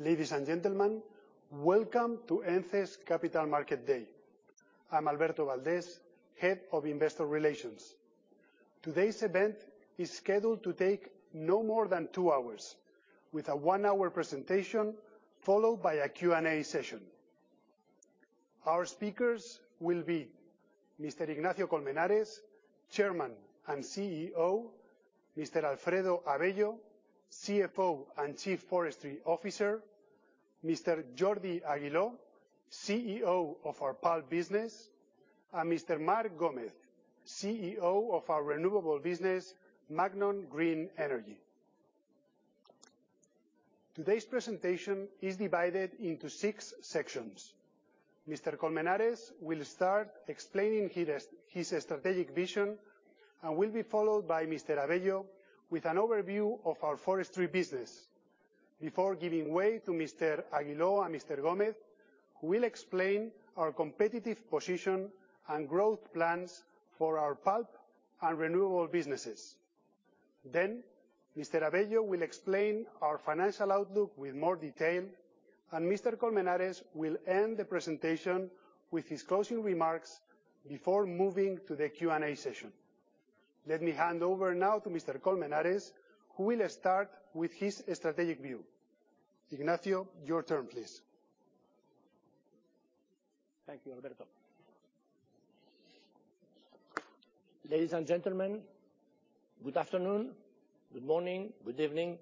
Ladies and gentlemen, welcome to ENCE's Capital Market Day. I'm Alberto Valdés, Head of Investor Relations. Today's event is scheduled to take no more than two hours, with a one-hour presentation, followed by a Q&A session. Our speakers will be Mr. Ignacio de Colmenares, Chairman and CEO, Mr. Alfredo Avello, CFO and Chief Forestry Officer, Mr. Jordi Aguiló, CEO of our pulp business, and Mr. Marc Gómez, CEO of our renewable business, Magnon Green Energy. Today's presentation is divided into six sections. Mr. Colmenares will start explaining his strategic vision and will be followed by Mr. Avello with an overview of our forestry business before giving way to Mr. Aguiló and Mr. Gómez, who will explain our competitive position and growth plans for our pulp and renewable businesses. Then, Mr. Avello will explain our financial outlook with more detail, and Mr. Colmenares will end the presentation with his closing remarks before moving to the Q&A session. Let me hand over now to Mr. Colmenares, who will start with his strategic view. Ignacio, your turn, please. Thank you, Alberto Valdés. Ladies and gentlemen, good afternoon, good morning, good evening.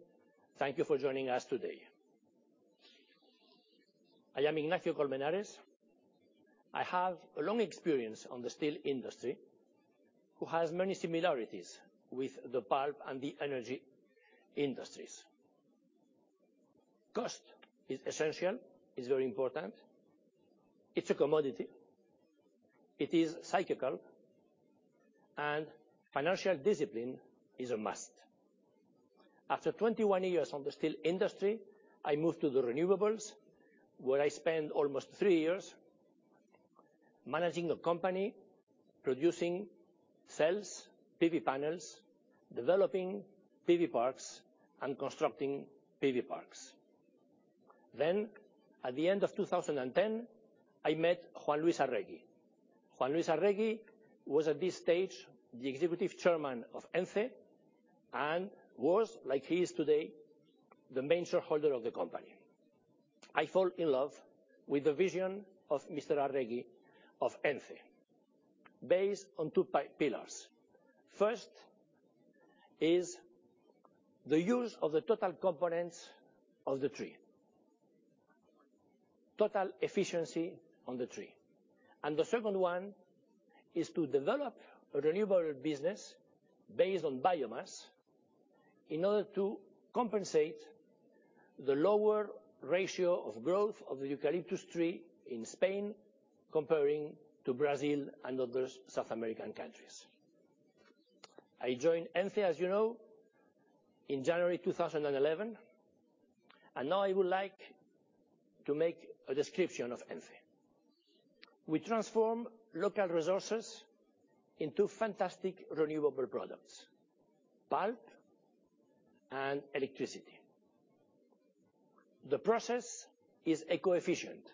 Thank you for joining us today. I am Ignacio de Colmenares. I have a long experience on the steel industry, who has many similarities with the pulp and the energy industries. Cost is essential. It's very important. It's a commodity. It is cyclical. Financial discipline is a must. After 21 years on the steel industry, I moved to the renewables, where I spent almost 3 years managing a company, producing cells, PV panels, developing PV parks, and constructing PV parks. At the end of 2010, I met Juan Luis Arregui. Juan Luis Arregui was at this stage the executive chairman of ENCE and was, like he is today, the main shareholder of the company. I fall in love with the vision of Mr. Arregui of ENCE, based on two pillars. First is the use of the total components of the tree. Total efficiency on the tree. The second one is to develop a renewable business based on biomass in order to compensate the lower ratio of growth of the eucalyptus tree in Spain comparing to Brazil and other South American countries. I joined ENCE, as you know, in January 2011, and now I would like to make a description of ENCE. We transform local resources into fantastic renewable products, pulp and electricity. The process is eco-efficient,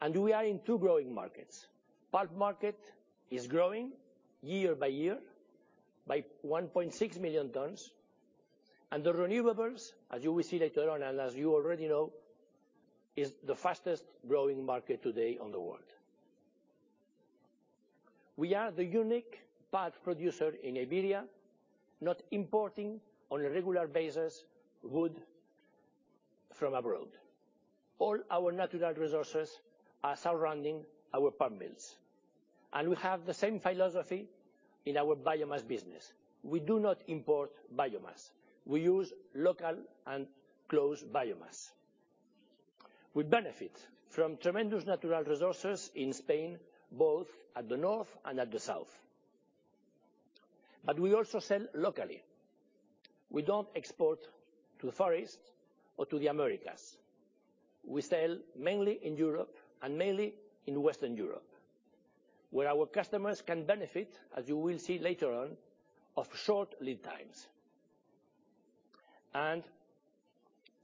and we are in two growing markets. Pulp market is growing year by year by 1.6 million tons. The renewables, as you will see later on and as you already know, is the fastest-growing market today in the world. We are the unique pulp producer in Iberia, not importing on a regular basis wood from abroad. All our natural resources are surrounding our pulp mills. We have the same philosophy in our biomass business. We do not import biomass. We use local and close biomass. We benefit from tremendous natural resources in Spain, both at the north and at the south. We also sell locally. We don't export to the Far East or to the Americas. We sell mainly in Europe and mainly in Western Europe, where our customers can benefit, as you will see later on, of short lead times.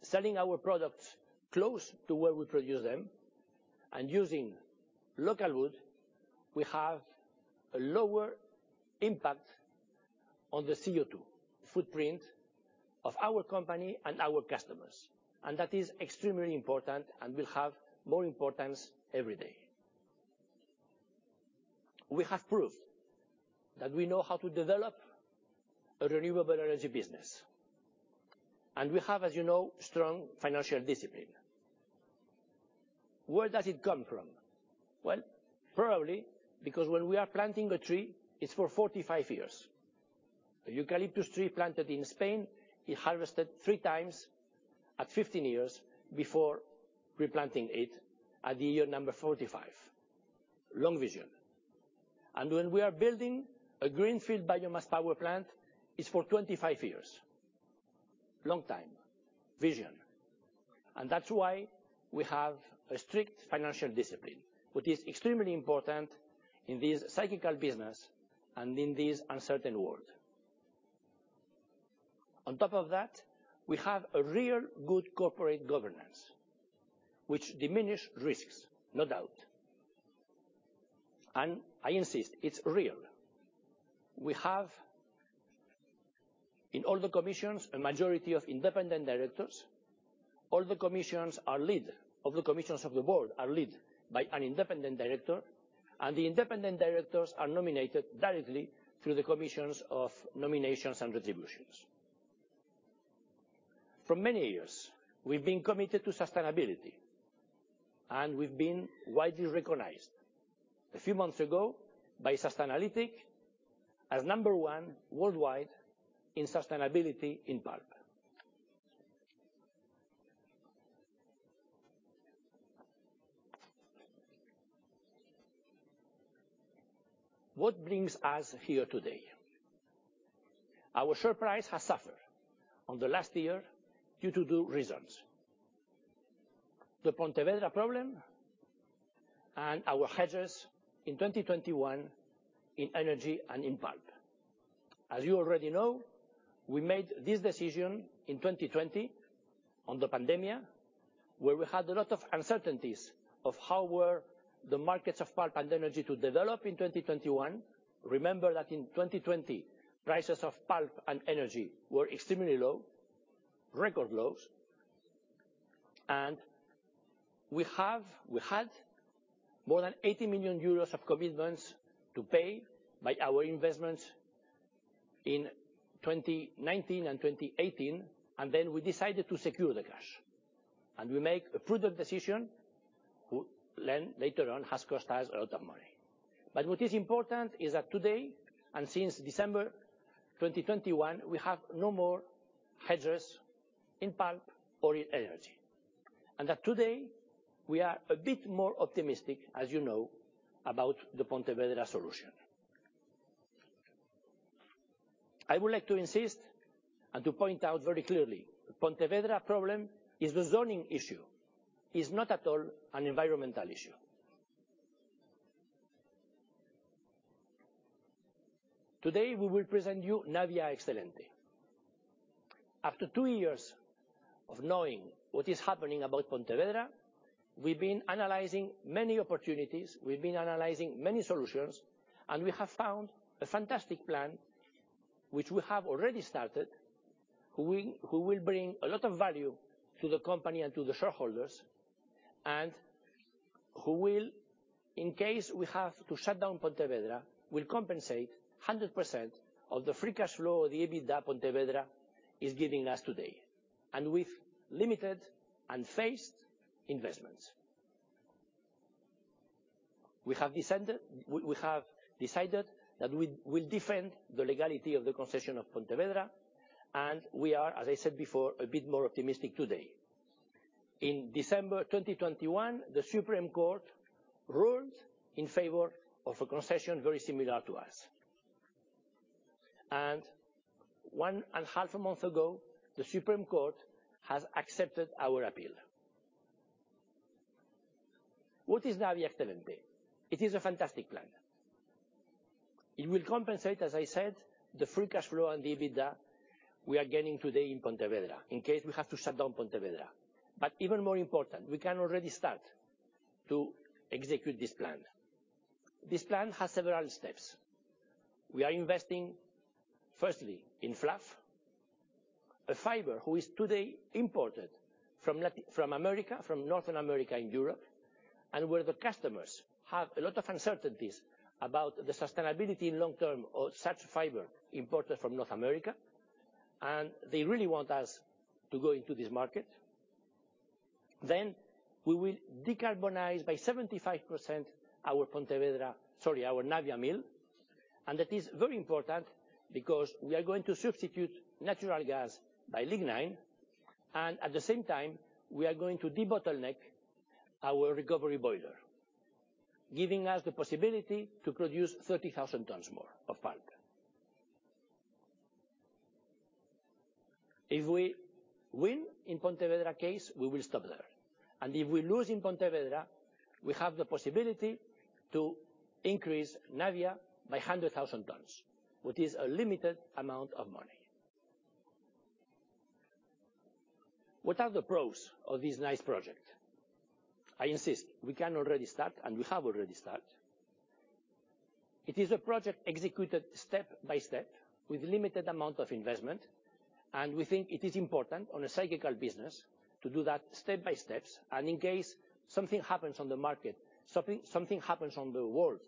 Selling our products close to where we produce them, and using local wood, we have a lower impact on the CO2 footprint of our company and our customers. That is extremely important and will have more importance every day. We have proved that we know how to develop a renewable energy business. We have, as you know, strong financial discipline. Where does it come from? Well, probably because when we are planting a tree, it's for 45 years. The eucalyptus tree planted in Spain is harvested three times at 15 years before replanting it at the year number 45. Long vision. When we are building a greenfield biomass power plant, it's for 25 years. Long time vision. That's why we have a strict financial discipline, which is extremely important in this cyclical business and in this uncertain world. On top of that, we have a real good corporate governance which diminish risks, no doubt. I insist, it's real. We have, in all the commissions, a majority of independent directors. All the commissions of the board are led by an independent director, and the independent directors are nominated directly through the commissions of nominations and distributions. For many years, we've been committed to sustainability, and we've been widely recognized a few months ago by Sustainalytics as number one worldwide in sustainability in pulp. What brings us here today? Our share price has suffered in the last year due to two reasons: the Pontevedra problem and our hedges in 2021 in energy and in pulp. As you already know, we made this decision in 2020 during the pandemic, where we had a lot of uncertainties of how the markets of pulp and energy were to develop in 2021. Remember that in 2020, prices of pulp and energy were extremely low, record lows. We had more than 80 million euros of commitments to pay by our investments in 2019 and 2018. Then we decided to secure the cash. We make a prudent decision then later on, has cost us a lot of money. What is important is that today and since December 2021, we have no more hedges in pulp or in energy, that today, we are a bit more optimistic, as you know, about the Pontevedra solution. I would like to insist and to point out very clearly, the Pontevedra problem is a zoning issue. It's not at all an environmental issue. Today, we will present you Navia Excelente. After two years of knowing what is happening about Pontevedra, we've been analyzing many opportunities, we've been analyzing many solutions, and we have found a fantastic plan which we have already started, which will bring a lot of value to the company and to the shareholders, and which will, in case we have to shut down Pontevedra, compensate 100% of the free cash flow, the EBITDA Pontevedra is giving us today, and with limited and phased investments. We have decided that we will defend the legality of the concession of Pontevedra, and we are, as I said before, a bit more optimistic today. In December 2021, the Supreme Court ruled in favor of a concession very similar to us. One and a half months ago, the Supreme Court has accepted our appeal. What is Navia Excelente? It is a fantastic plan. It will compensate, as I said, the free cash flow and the EBITDA we are getting today in Pontevedra, in case we have to shut down Pontevedra. Even more important, we can already start to execute this plan. This plan has several steps. We are investing, firstly, in fluff, a fiber who is today imported from Latin America, from North America and Europe, and where the customers have a lot of uncertainties about the sustainability in long term of such fiber imported from North America, and they really want us to go into this market. We will decarbonize by 75% our Pontevedra, sorry, our Navia mill. That is very important because we are going to substitute natural gas by lignin. At the same time, we are going to debottleneck our recovery boiler, giving us the possibility to produce 30,000 tons more of pulp. If we win in Pontevedra case, we will stop there. If we lose in Pontevedra, we have the possibility to increase Navia by 100,000 tons, which is a limited amount of money. What are the pros of this nice project? I insist, we can already start, and we have already start. It is a project executed step by step with limited amount of investment, and we think it is important on a cyclical business to do that step by steps. In case something happens on the market, something happens on the world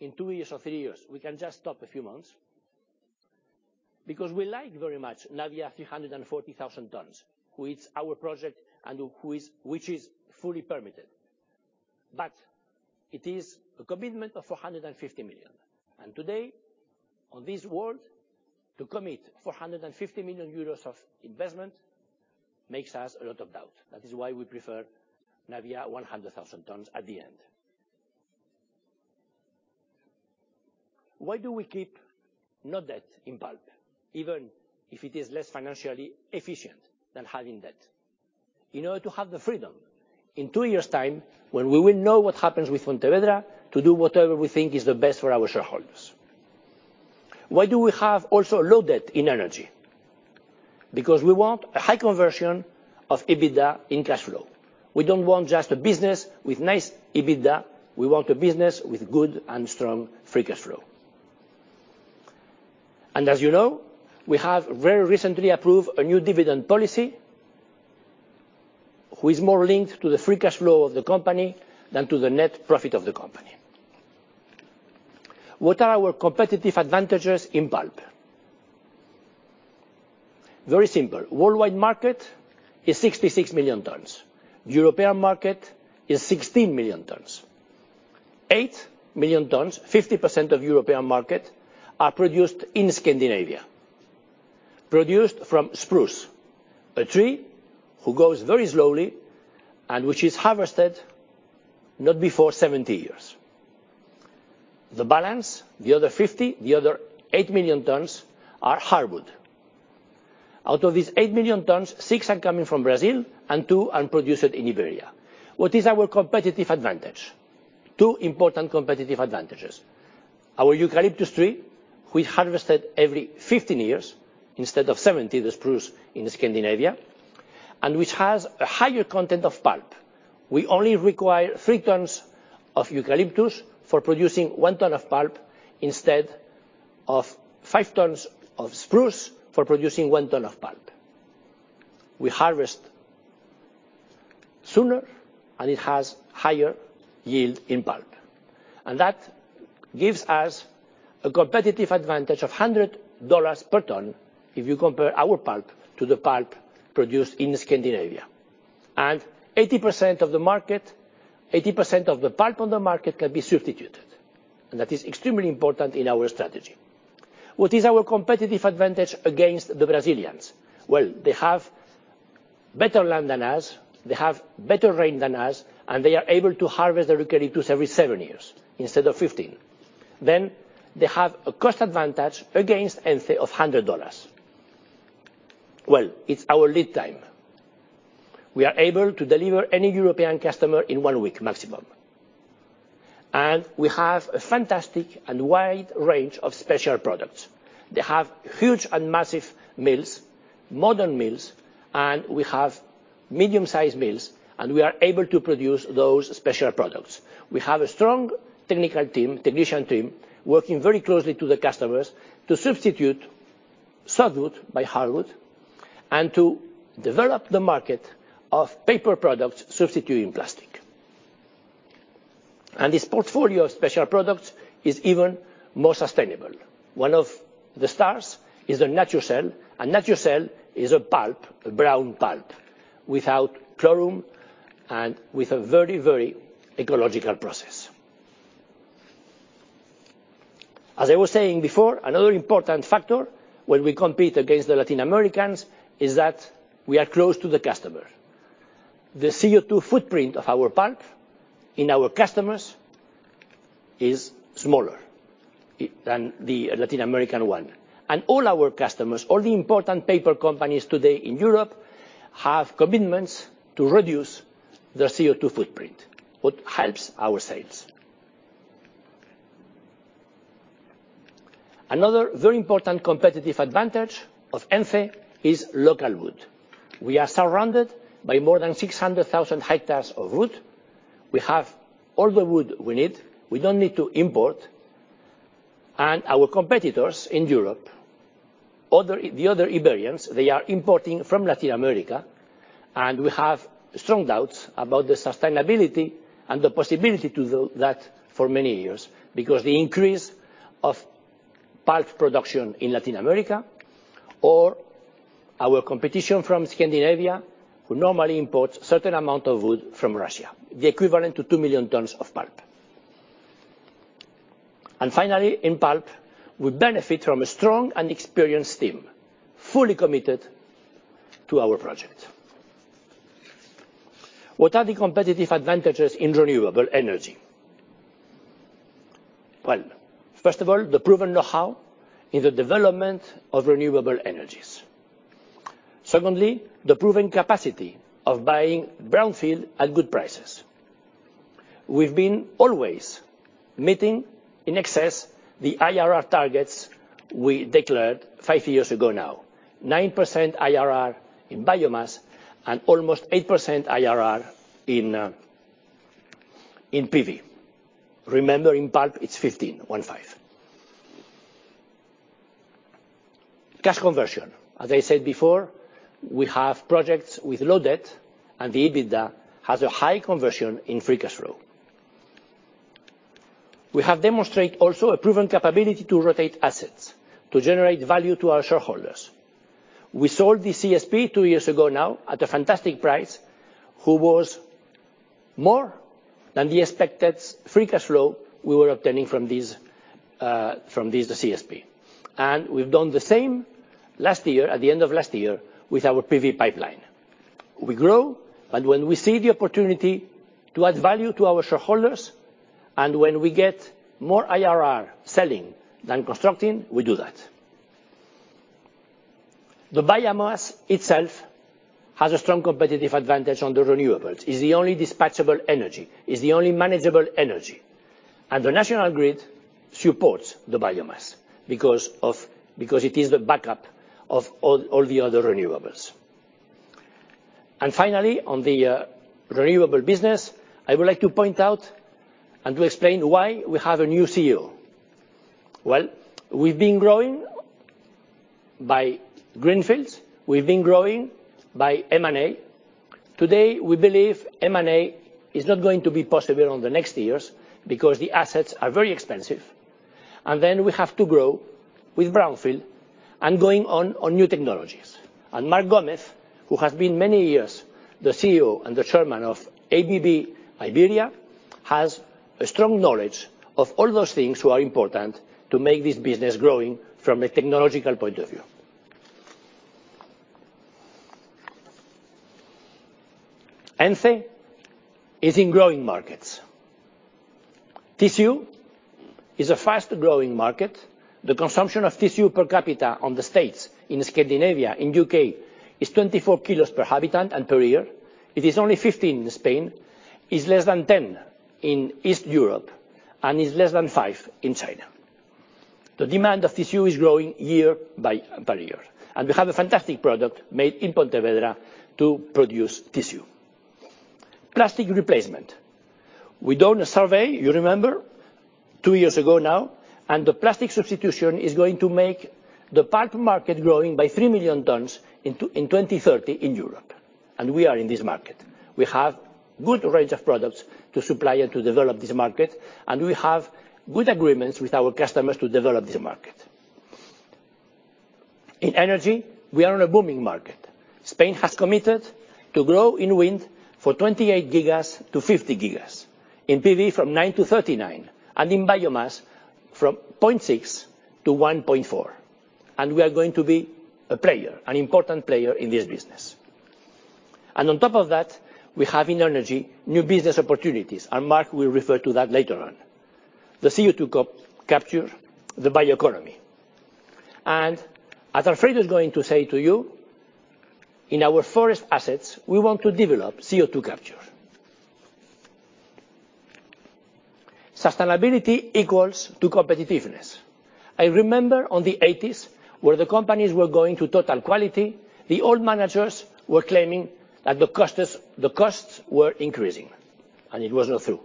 in 2 years or 3 years, we can just stop a few months. Because we like very much Navia 340,000 tons, which is fully permitted. It is a commitment of 450 million. Today, in this world, to commit 450 million euros of investment makes us a lot of doubt. That is why we prefer Navia 100,000 tons at the end. Why do we keep no debt in pulp, even if it is less financially efficient than having debt? In order to have the freedom. In 2 years' time, when we will know what happens with Pontevedra, to do whatever we think is the best for our shareholders. Why do we have also low debt in energy? Because we want a high conversion of EBITDA in cash flow. We don't want just a business with nice EBITDA, we want a business with good and strong free cash flow. As you know, we have very recently approved a new dividend policy which is more linked to the free cash flow of the company than to the net profit of the company. What are our competitive advantages in pulp? Very simple. Worldwide market is 66 million tons. European market is 16 million tons. 8 million tons, 50% of European market, are produced in Scandinavia, produced from spruce, a tree who goes very slowly and which is harvested not before 70 years. The balance, the other 50, the other 8 million tons are hardwood. Out of these 8 million tons, six are coming from Brazil and two are produced in Iberia. What is our competitive advantage? Two important competitive advantages. Our eucalyptus tree, we harvest it every 15 years instead of 70 the spruce in Scandinavia, and which has a higher content of pulp. We only require 3 tons of eucalyptus for producing 1 ton of pulp instead of 5 tons of spruce for producing 1 ton of pulp. We harvest sooner, and it has higher yield in pulp. That gives us a competitive advantage of $100 per ton if you compare our pulp to the pulp produced in Scandinavia. 80% of the market, 80% of the pulp on the market can be substituted. That is extremely important in our strategy. What is our competitive advantage against the Brazilians? Well, they have better land than us, they have better rain than us, and they are able to harvest the eucalyptus every 7 years instead of 50 years. They have a cost advantage against ENCE of $100. Well, it's our lead time. We are able to deliver any European customer in 1 week maximum. We have a fantastic and wide range of special products. They have huge and massive mills, modern mills. We have medium-sized mills, and we are able to produce those special products. We have a strong technical team, technician team, working very closely to the customers to substitute softwood by hardwood and to develop the market of paper products substituting plastic. This portfolio of special products is even more sustainable. One of the stars is the Naturcell. Naturcell is a pulp, a brown pulp, without chlorine and with a very, very ecological process. As I was saying before, another important factor when we compete against the Latin Americans is that we are close to the customer. The CO2 footprint of our pulp in our customers is smaller than the Latin American one. All our customers, all the important paper companies today in Europe, have commitments to reduce their CO2 footprint, what helps our sales. Another very important competitive advantage of ENCE is local wood. We are surrounded by more than 600,000 hectares of wood. We have all the wood we need. We don't need to import. Our competitors in Europe, the other Iberians, they are importing from Latin America, and we have strong doubts about the sustainability and the possibility to do that for many years. Because the increase of pulp production in Latin America or our competition from Scandinavia, who normally imports certain amount of wood from Russia, the equivalent to 2 million tons of pulp. Finally, in pulp, we benefit from a strong and experienced team, fully committed to our project. What are the competitive advantages in renewable energy? Well, first of all, the proven know-how in the development of renewable energies. Secondly, the proven capacity of buying brownfield at good prices. We've been always meeting in excess the IRR targets we declared 5 years ago now. 9% IRR in biomass and almost 8% IRR in PV. Remember, in pulp, it's 15.15%. Cash conversion. As I said before, we have projects with low debt, and the EBITDA has a high conversion in free cash flow. We have demonstrated also a proven capability to rotate assets to generate value to our shareholders. We sold the CSP two years ago now at a fantastic price, which was more than the expected free cash flow we were obtaining from this, the CSP. We've done the same last year, at the end of last year, with our PV pipeline. We grow, and when we see the opportunity to add value to our shareholders, and when we get more IRR selling than constructing, we do that. The biomass itself has a strong competitive advantage on the renewables. It's the only dispatchable energy. It's the only manageable energy. The national grid supports the biomass because it is the backup of all the other renewables. Finally, on the renewable business, I would like to point out and to explain why we have a new CEO. Well, we've been growing by greenfields. We've been growing by M&A. Today, we believe M&A is not going to be possible in the next years because the assets are very expensive. We have to grow with brownfield and going on new technologies. Marc Gómez, who has been many years the CEO and the chairman of ABB Iberia, has a strong knowledge of all those things who are important to make this business growing from a technological point of view. ENCE is in growing markets. Tissue is a fast-growing market. The consumption of tissue per capita in the States, in Scandinavia, in U.K. is 24 kg per capita per year. It is only 15 in Spain. It's less than 10 in Eastern Europe, and it's less than five in China. The demand of tissue is growing year by year. We have a fantastic product made in Pontevedra to produce tissue. Plastic replacement. We've done a survey, you remember, 2 years ago now, and the plastic substitution is going to make the pulp market growing by 3 million tons in 2030 in Europe, and we are in this market. We have good range of products to supply and to develop this market, and we have good agreements with our customers to develop this market. In energy, we are in a booming market. Spain has committed to grow in wind for 28 GW-50 GW, in PV from 9 GW-39 GW, and in biomass from 0.6 GW-1.4 GW. We are going to be a player, an important player in this business. On top of that, we have in energy new business opportunities, and Marc will refer to that later on. The CO2 capture, the bioeconomy. As Alfredo is going to say to you, in our forest assets, we want to develop CO2 capture. Sustainability equals to competitiveness. I remember on the 80s, where the companies were going to total quality, the old managers were claiming that the costs, the costs were increasing, and it was not true.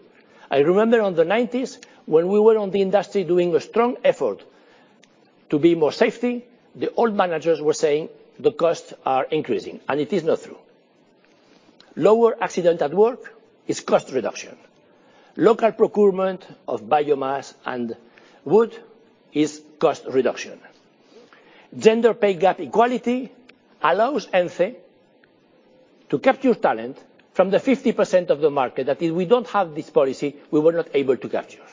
I remember on the nineties, when we were on the industry doing a strong effort to be more safety, the old managers were saying the costs are increasing, and it is not true. Lower accident at work is cost reduction. Local procurement of biomass and wood is cost reduction. Gender pay gap equality allows ENCE to capture talent from the 50% of the market that if we don't have this policy, we were not able to capture.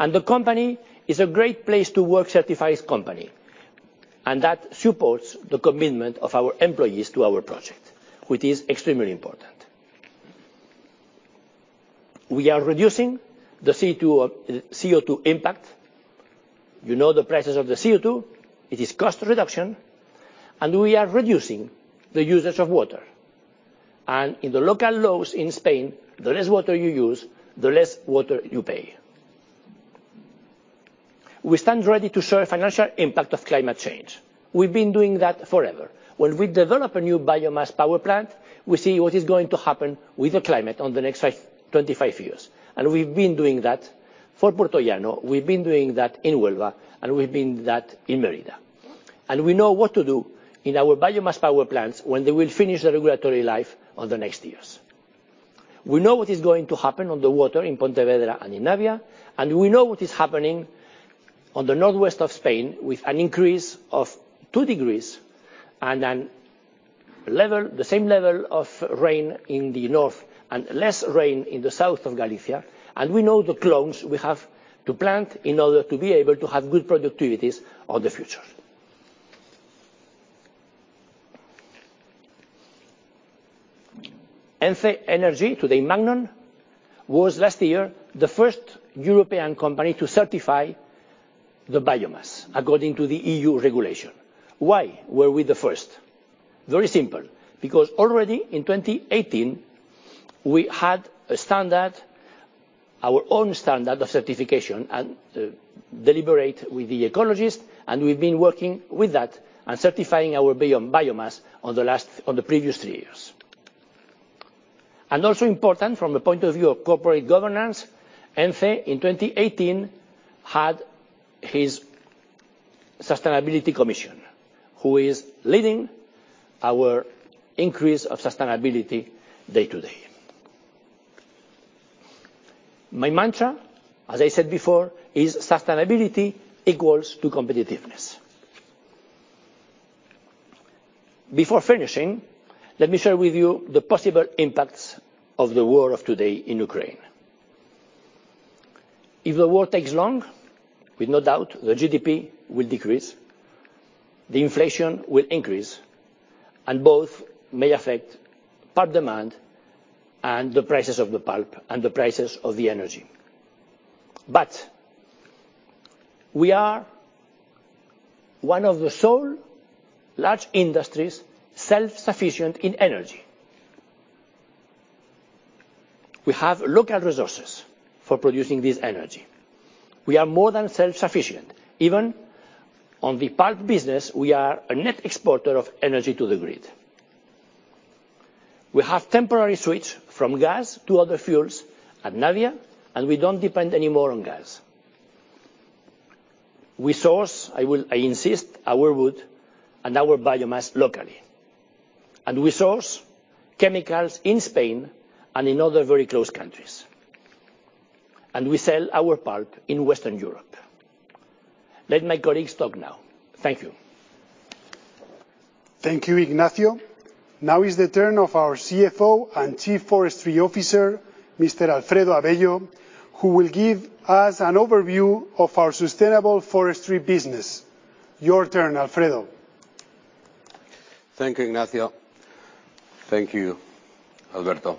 The company is a great place to work, certified company, and that supports the commitment of our employees to our project, which is extremely important. We are reducing the CO2 impact. You know the prices of the CO2, it is cost reduction, and we are reducing the usage of water. In the local laws in Spain, the less water you use, the less water you pay. We stand ready to show a financial impact of climate change. We've been doing that forever. When we develop a new biomass power plant, we see what is going to happen with the climate on the next 25 years. We've been doing that for Puertollano, we've been doing that in Huelva, and we've been doing that in Mérida. We know what to do in our biomass power plants when they will finish the regulatory life in the next years. We know what is going to happen on the water in Pontevedra and in Navia, and we know what is happening on the northwest of Spain with an increase of two degrees and the same level of rain in the north and less rain in the south of Galicia, and we know the clones we have to plant in order to be able to have good productivities in the future. ENCE Energía, today Magnon, was last year the first European company to certify the biomass according to the EU regulation. Why were we the first? Very simple. Because already in 2018, we had a standard, our own standard of certification and deliberated with the ecologists, and we've been working with that and certifying our biomass on the previous three years. Also important from the point of view of corporate governance, ENCE in 2018 had its sustainability commission, who is leading our increase of sustainability day to day. My mantra, as I said before, is sustainability equals to competitiveness. Before finishing, let me share with you the possible impacts of the war today in Ukraine. If the war takes long, without a doubt, the GDP will decrease, the inflation will increase, and both may affect pulp demand and the prices of the pulp and the prices of the energy. But we are one of the sole large industries self-sufficient in energy. We have local resources for producing this energy. We are more than self-sufficient. Even on the pulp business, we are a net exporter of energy to the grid. We have temporarily switched from gas to other fuels at Navia, and we don't depend anymore on gas. We source, I insist, our wood and our biomass locally, and we source chemicals in Spain and in other very close countries. We sell our pulp in Western Europe. Let my colleagues talk now. Thank you. Thank you, Ignacio. Now is the turn of our CFO and Chief Forestry Officer, Mr. Alfredo Avello, who will give us an overview of our sustainable forestry business. Your turn, Alfredo. Thank you, Ignacio. Thank you, Alberto.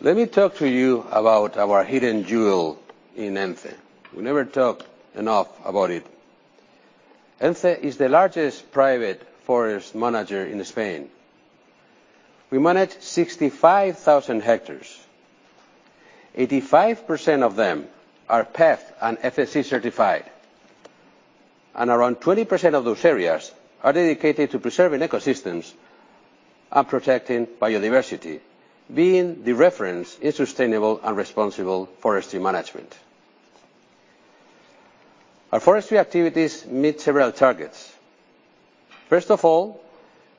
Let me talk to you about our hidden jewel in ENCE. We never talk enough about it. ENCE is the largest private forest manager in Spain. We manage 65,000 hectares. Eighty five percent of them are PEFC and FSC certified, and around 20% of those areas are dedicated to preserving ecosystems and protecting biodiversity, being the reference in sustainable and responsible forestry management. Our forestry activities meet several targets. First of all,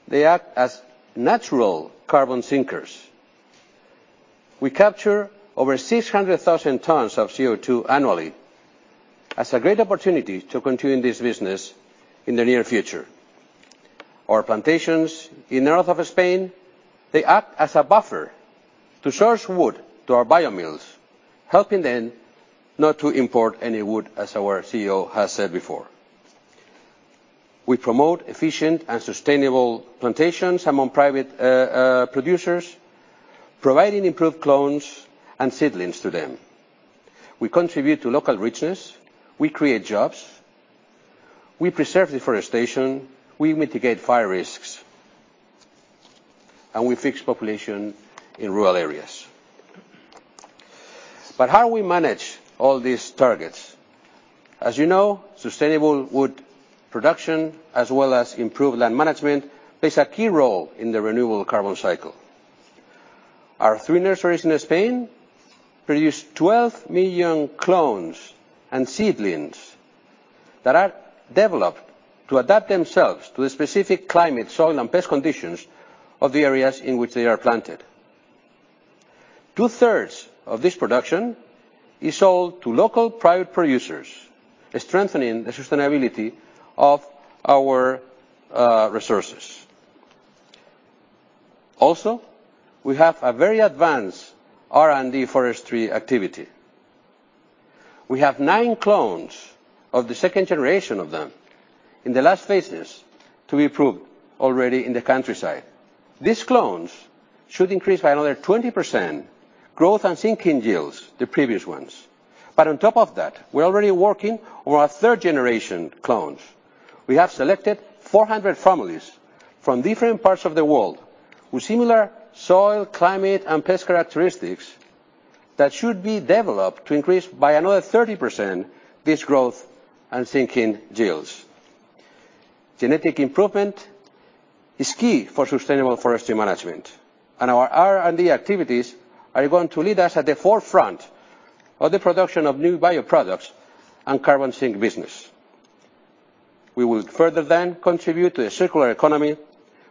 they act as natural carbon sinkers. We capture over 600,000 tons of CO2 annually. That's a great opportunity to continue this business in the near future. Our plantations in north of Spain, they act as a buffer to source wood to our bio mills, helping them not to import any wood, as our CEO has said before. We promote efficient and sustainable plantations among private producers, providing improved clones and seedlings to them. We contribute to local richness, we create jobs, we preserve the forestation, we mitigate fire risks, and we fix population in rural areas. How we manage all these targets? As you know, sustainable wood production, as well as improved land management, plays a key role in the renewable carbon cycle. Our three nurseries in Spain produce 12 million clones and seedlings that are developed to adapt themselves to the specific climate, soil, and pest conditions of the areas in which they are planted. Two-thirds of this production is sold to local private producers, strengthening the sustainability of our resources. Also, we have a very advanced R&D forestry activity. We have nine clones of the second generation of them in the last phases to be approved already in the countryside. These clones should increase by another 20% growth and sink yields the previous ones. On top of that, we're already working on our third generation clones. We have selected 400 families from different parts of the world with similar soil, climate, and pest characteristics that should be developed to increase by another 30% this growth and sink yields. Genetic improvement is key for sustainable forestry management, and our R&D activities are going to lead us at the forefront of the production of new bioproducts and carbon sink business. We will further then contribute to the circular economy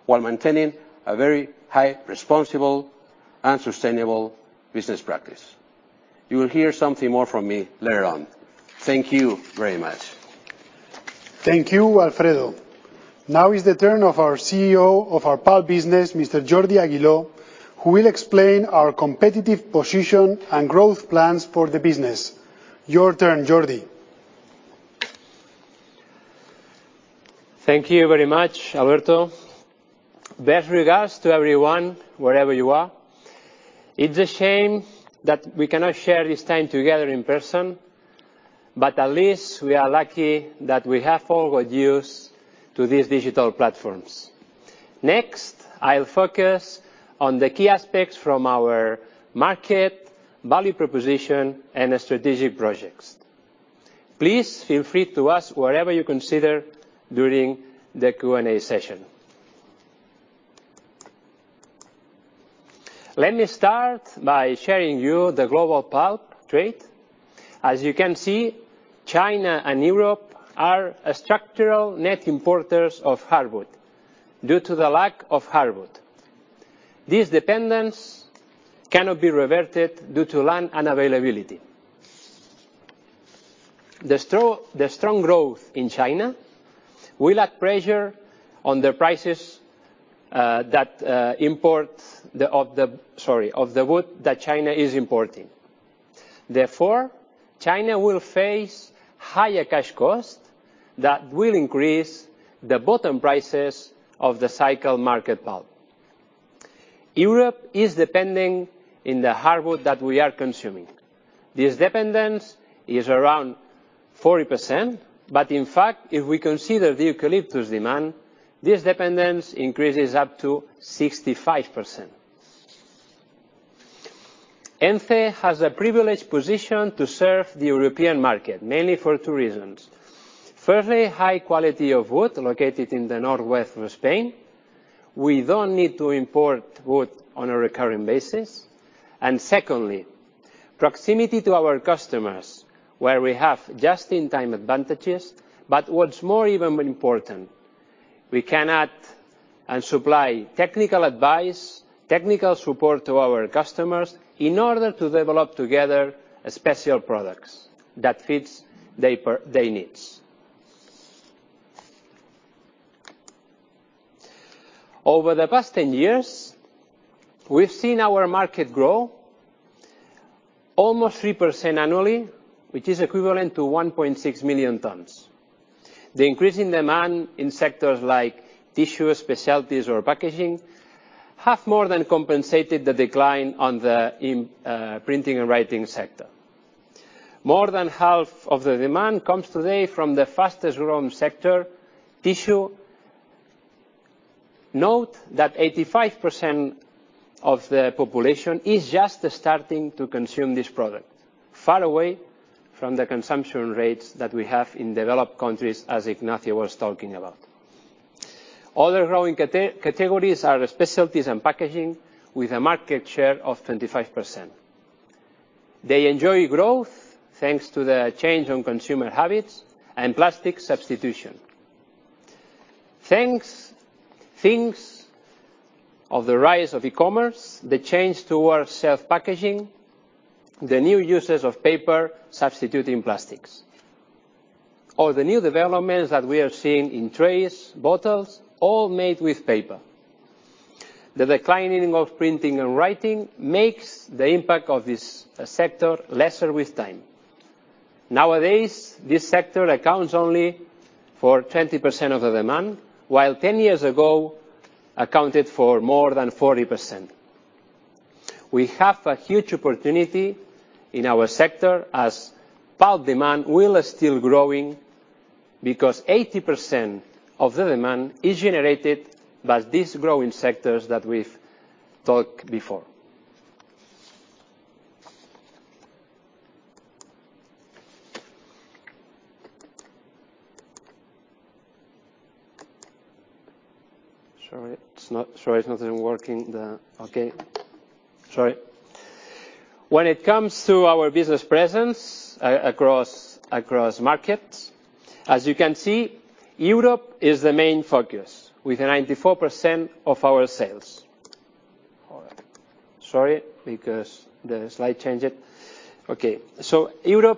while maintaining a very high responsible and sustainable business practice. You will hear something more from me later on. Thank you very much. Thank you, Alfredo. Now is the turn of our CEO of our pulp business, Mr. Jordi Aguiló, who will explain our competitive position and growth plans for the business. Your turn, Jordi. Thank you very much, Alberto. Best regards to everyone, wherever you are. It's a shame that we cannot share this time together in person, but at least we are lucky that we have all got used to these digital platforms. Next, I'll focus on the key aspects from our market, value proposition, and strategic projects. Please feel free to ask whatever you consider during the Q&A session. Let me start by sharing you the global pulp trade. As you can see, China and Europe are structural net importers of hardwood due to the lack of hardwood. This dependence cannot be reverted due to land unavailability. The strong growth in China will add pressure on the prices of the wood that China is importing. Therefore, China will face higher cash costs that will increase the bottom prices of the cycle market pulp. Europe is depending on the hardwood that we are consuming. This dependence is around 40%, but in fact, if we consider the eucalyptus demand, this dependence increases up to 65%. ENCE has a privileged position to serve the European market, mainly for two reasons. Firstly, high quality of wood located in the northwest of Spain. We don't need to import wood on a recurring basis. Secondly, proximity to our customers where we have just-in-time advantages. What's more even more important, we can add and supply technical advice, technical support to our customers in order to develop together special products that fits their needs. Over the past 10 years, we've seen our market grow almost 3% annually, which is equivalent to 1.6 million tons. The increasing demand in sectors like tissue, specialties, or packaging have more than compensated the decline in the printing and writing sector. More than half of the demand comes today from the fastest growing sector, tissue. Note that 85% of the population is just starting to consume this product, far away from the consumption rates that we have in developed countries, as Ignacio was talking about. Other growing categories are specialties and packaging with a market share of 25%. They enjoy growth thanks to the change in consumer habits and plastic substitution. Thanks to the rise of e-commerce, the change towards self-packaging, the new uses of paper substituting plastics, or the new developments that we are seeing in trays, bottles, all made with paper. The decline of printing and writing makes the impact of this sector less with time. Nowadays, this sector accounts only for 20% of the demand, while 10 years ago, it accounted for more than 40%. We have a huge opportunity in our sector as pulp demand will still be growing because 80% of the demand is generated by these growing sectors that we've talked about before. When it comes to our business presence across markets, as you can see, Europe is the main focus with 94% of our sales. Europe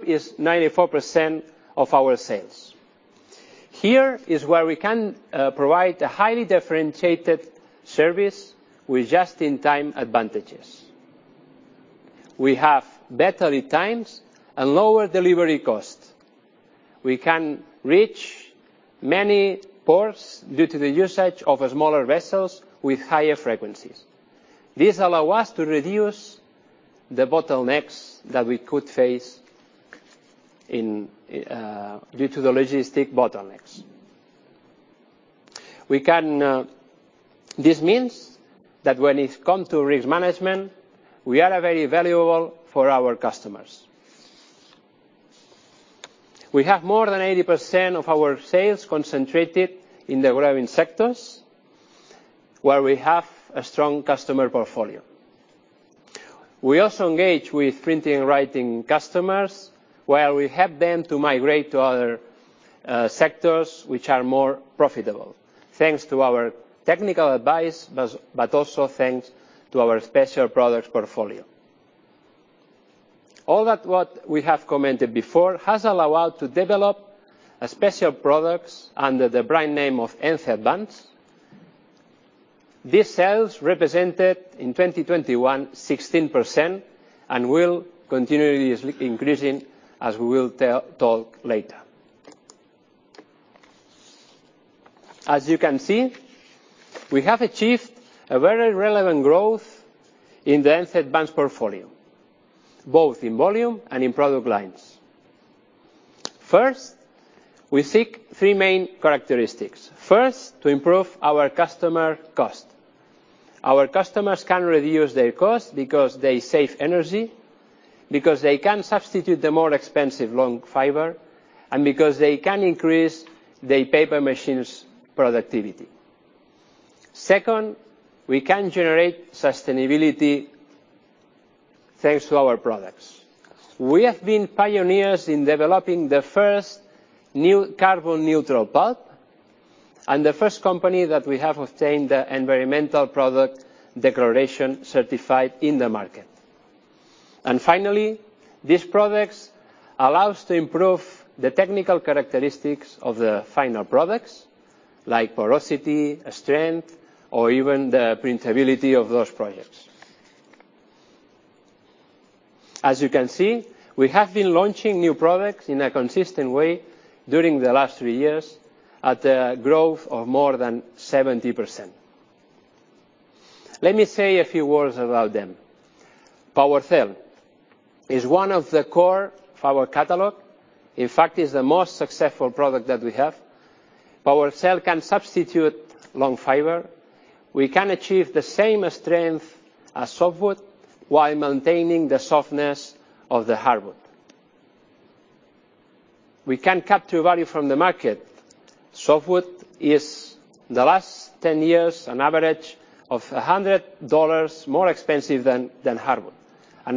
is 94% of our sales. Here is where we can provide a highly differentiated service with just-in-time advantages. We have better lead times and lower delivery costs. We can reach many ports due to the usage of smaller vessels with higher frequencies. This allow us to reduce the bottlenecks that we could face due to the logistic bottlenecks. This means that when it come to risk management, we are very valuable for our customers. We have more than 80% of our sales concentrated in the growing sectors, where we have a strong customer portfolio. We also engage with printing and writing customers, where we help them to migrate to other sectors which are more profitable, thanks to our technical advice, but also thanks to our special products portfolio. All that what we have commented before has allowed to develop special products under the brand name of Ence Advanced. These sales represented, in 2021, 16% and will continuously increasing, as we will talk later. As you can see, we have achieved a very relevant growth in the ENCE Advanced portfolio, both in volume and in product lines. We seek three main characteristics. First, to improve our customer cost. Our customers can reduce their cost because they save energy, because they can substitute the more expensive long fiber, and because they can increase their paper machines' productivity. Second, we can generate sustainability thanks to our products. We have been pioneers in developing the first new carbon neutral pulp, the first company that we have obtained the environmental product declaration certified in the market. Finally, these products allow to improve the technical characteristics of the final products, like porosity, strength, or even the printability of those products. As you can see, we have been launching new products in a consistent way during the last three years at a growth of more than 70%. Let me say a few words about them. Powercell is one of the core of our catalog. In fact, it's the most successful product that we have. Powercell can substitute long fiber. We can achieve the same strength as softwood while maintaining the softness of the hardwood. We can capture value from the market. Softwood is the last 10 years an average of $100 more expensive than hardwood.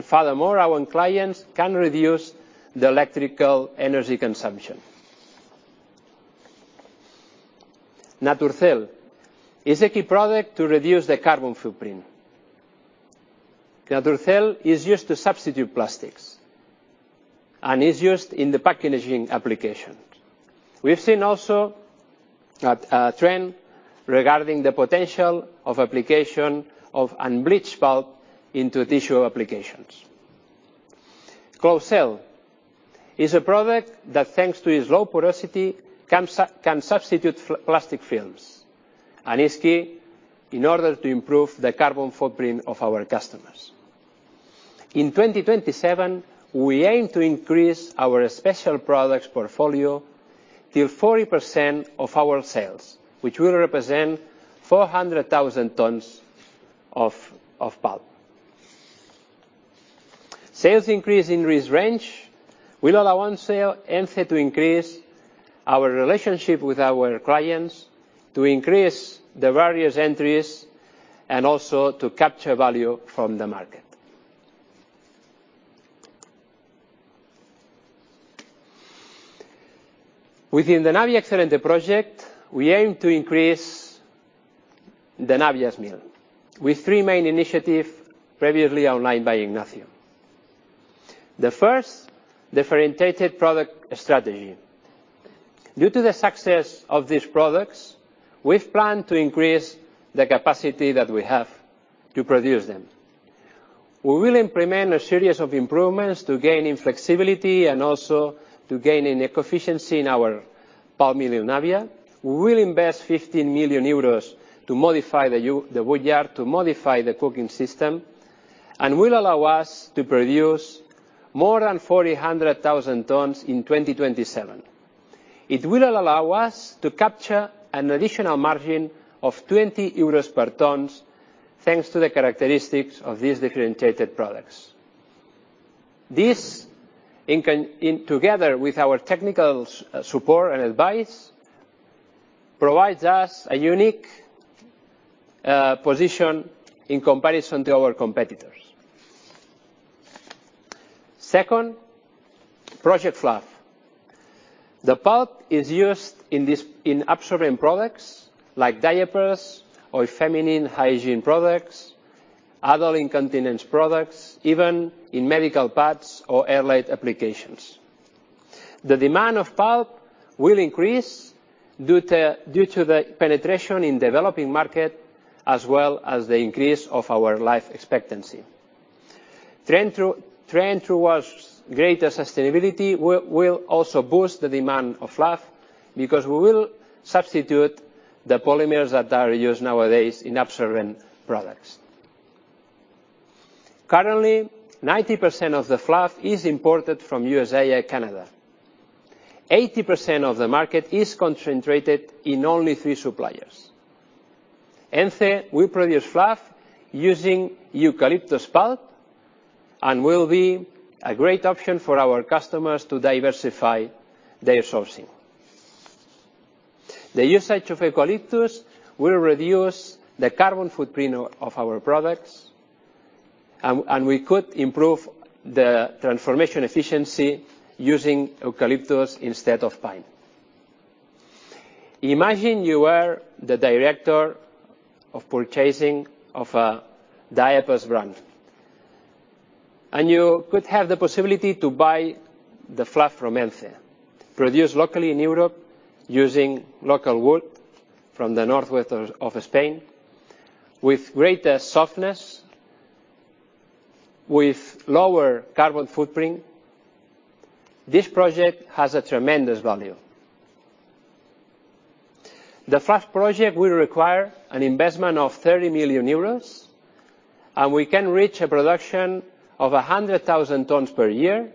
Furthermore, our clients can reduce the electrical energy consumption. Naturcell is a key product to reduce the carbon footprint. Naturcell is used to substitute plastics, and is used in the packaging application. We've seen also a trend regarding the potential of application of unbleached pulp into tissue applications. Closecell is a product that, thanks to its low porosity, can substitute plastic films, and is key in order to improve the carbon footprint of our customers. In 2027, we aim to increase our special products portfolio to 40% of our sales, which will represent 400,000 tons of pulp. Sales increase in this range will allow ENCE to increase our relationship with our clients, to increase the various entries, and also to capture value from the market. Within the Navia Excelente project, we aim to increase the Navia’s mill with three main initiatives previously outlined by Ignacio. The first, differentiated product strategy. Due to the success of these products, we've planned to increase the capacity that we have to produce them. We will implement a series of improvements to gain in flexibility and also to gain in efficiency in our pulp mill in Navia. We will invest 15 million euros to modify the woodyard, to modify the cooking system, and will allow us to produce more than 400,000 tons in 2027. It will allow us to capture an additional margin of 20 euros per ton, thanks to the characteristics of these differentiated products. This in together with our technical support and advice, provides us a unique position in comparison to our competitors. Second, Project Fluff. The pulp is used in absorbent products like diapers or feminine hygiene products, adult incontinence products, even in medical pads or airlaid applications. The demand of pulp will increase due to the penetration in developing market as well as the increase of our life expectancy. Trend towards greater sustainability will also boost the demand of fluff because we will substitute the polymers that are used nowadays in absorbent products. Currently, 90% of the fluff is imported from USA and Canada. 80% of the market is concentrated in only three suppliers. ENCE will produce fluff using eucalyptus pulp and will be a great option for our customers to diversify their sourcing. The usage of eucalyptus will reduce the carbon footprint of our products and we could improve the transformation efficiency using eucalyptus instead of pine. Imagine you are the director of purchasing of a diapers brand, and you could have the possibility to buy the fluff from ENCE, produced locally in Europe, using local wood from the northwest of Spain, with greater softness, with lower carbon footprint. This project has a tremendous value. The first project will require an investment of 30 million euros, and we can reach a production of 100,000 tons per year,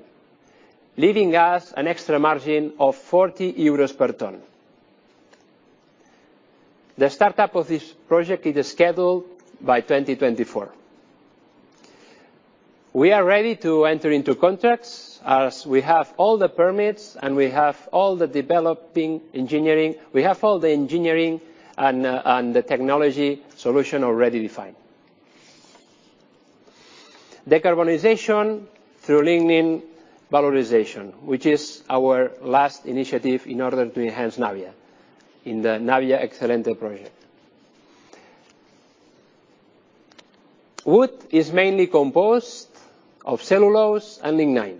leaving us an extra margin of 40 euros per ton. The startup of this project is scheduled by 2024. We are ready to enter into contracts as we have all the permits, and we have all the developing engineering. We have all the engineering and the technology solution already defined. Decarbonization through lignin valorization, which is our last initiative in order to enhance Navia in the Navia Excelente project. Wood is mainly composed of cellulose and lignin.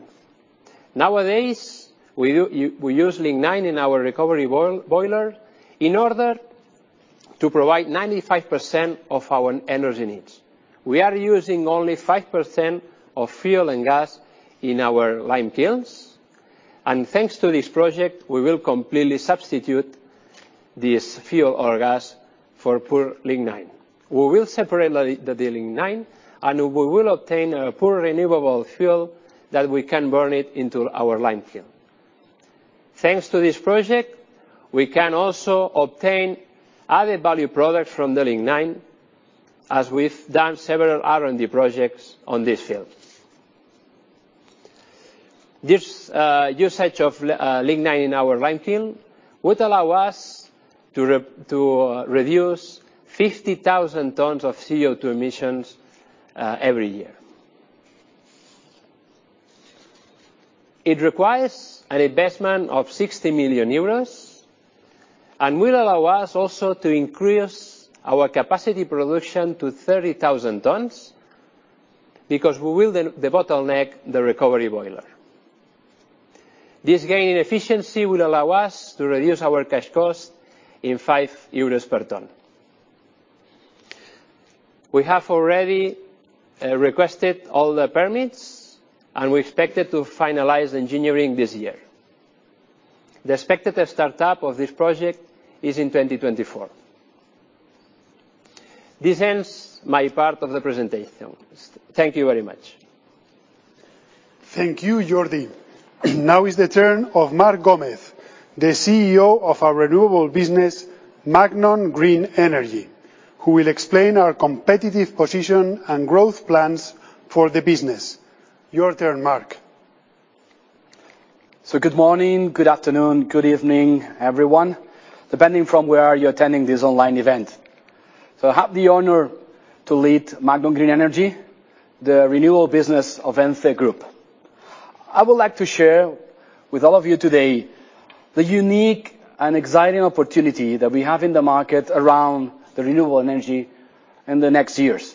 Nowadays, we use lignin in our recovery boiler in order to provide 95% of our energy needs. We are using only 5% of fuel and gas in our lime kilns. Thanks to this project, we will completely substitute this fuel or gas for pure lignin. We will separate the lignin, and we will obtain a pure renewable fuel that we can burn in our lime kiln. Thanks to this project, we can also obtain other value products from the lignin, as we've done several R&D projects on this field. This usage of lignin in our lime kiln would allow us to reduce 50,000 tons of CO2 emissions every year. It requires an investment of 60 million euros and will allow us also to increase our capacity production to 30,000 tons because we will then debottleneck the recovery boiler. This gain in efficiency will allow us to reduce our cash cost in 5 euros per ton. We have already requested all the permits, and we expected to finalize engineering this year. The expected start of this project is in 2024. This ends my part of the presentation. Thank you very much. Thank you, Jordi. Now is the turn of Marc Gómez, the CEO of our renewable business, Magnon Green Energy, who will explain our competitive position and growth plans for the business. Your turn, Marc. Good morning, good afternoon, good evening, everyone, depending on where you're attending this online event. I have the honor to lead Magnon Green Energy, the renewable business of ENCE Group. I would like to share with all of you today the unique and exciting opportunity that we have in the market around the renewable energy in the next years.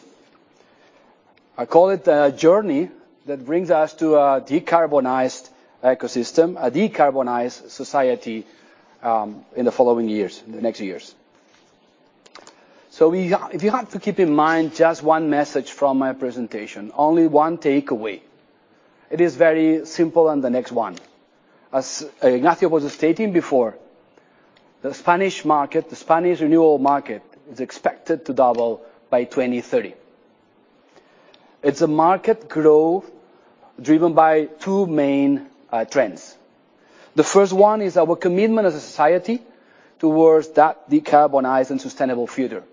I call it a journey that brings us to a decarbonized ecosystem, a decarbonized society, in the following years, the next years. If you have to keep in mind just one message from my presentation, only one takeaway, it is very simple and the next one. As Ignacio was stating before, the Spanish market, the Spanish renewable market is expected to double by 2030. It's a market growth driven by two main trends. The first one is our commitment as a society towards that decarbonized and sustainable future.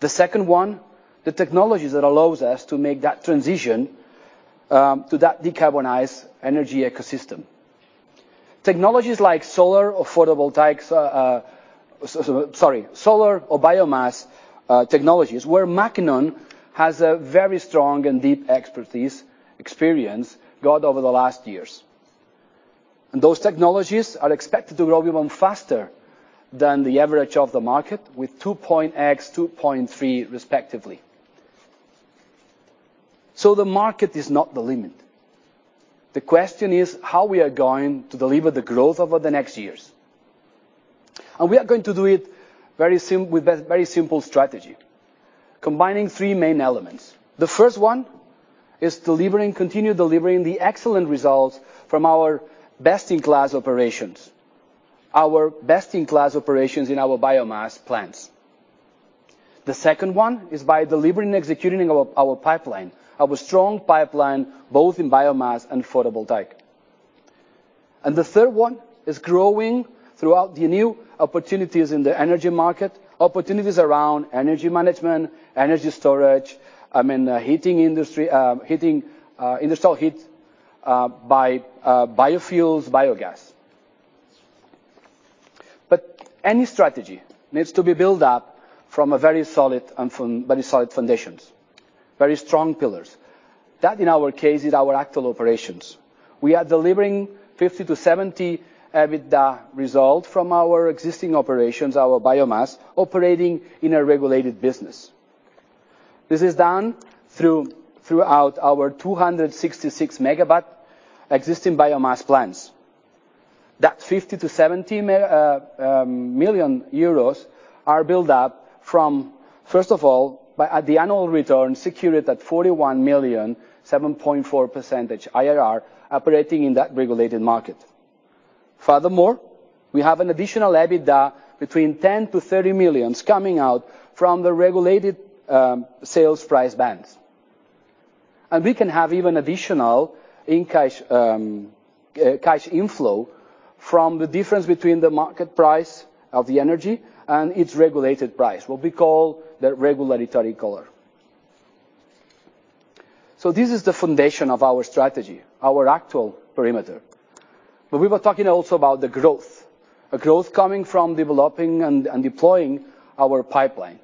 The second one, the technologies that allows us to make that transition to that decarbonized energy ecosystem. Technologies like solar or biomass technologies, where Magnon has a very strong and deep expertise and experience we've got over the last years. Those technologies are expected to grow even faster than the average of the market with 2x, 2.3x, respectively. The market is not the limit. The question is how we are going to deliver the growth over the next years. We are going to do it with a very simple strategy, combining three main elements. The first one is continue delivering the excellent results from our best-in-class operations in our biomass plants. The second one is by delivering and executing our strong pipeline, both in biomass and photovoltaic. The third one is growing throughout the new opportunities in the energy market, opportunities around energy management, energy storage, in the heating industry, heating industrial heat, by biofuels, biogas. Any strategy needs to be built up from a very solid foundations, very strong pillars. That, in our case, is our actual operations. We are delivering 50 million-70 million EBITDA result from our existing operations, our biomass, operating in a regulated business. This is done throughout our 266 MW existing biomass plants. That 50 million-70 million euros are built up from, first of all, by at the annual return secured at 41 million, 7.4% IRR operating in that regulated market. Furthermore, we have an additional EBITDA between 10 million and 30 million coming out from the regulated sales price bands. We can have even additional in cash inflow from the difference between the market price of the energy and its regulated price, what we call the regulatory collar. This is the foundation of our strategy, our actual perimeter. We were talking also about the growth. A growth coming from developing and deploying our pipeline.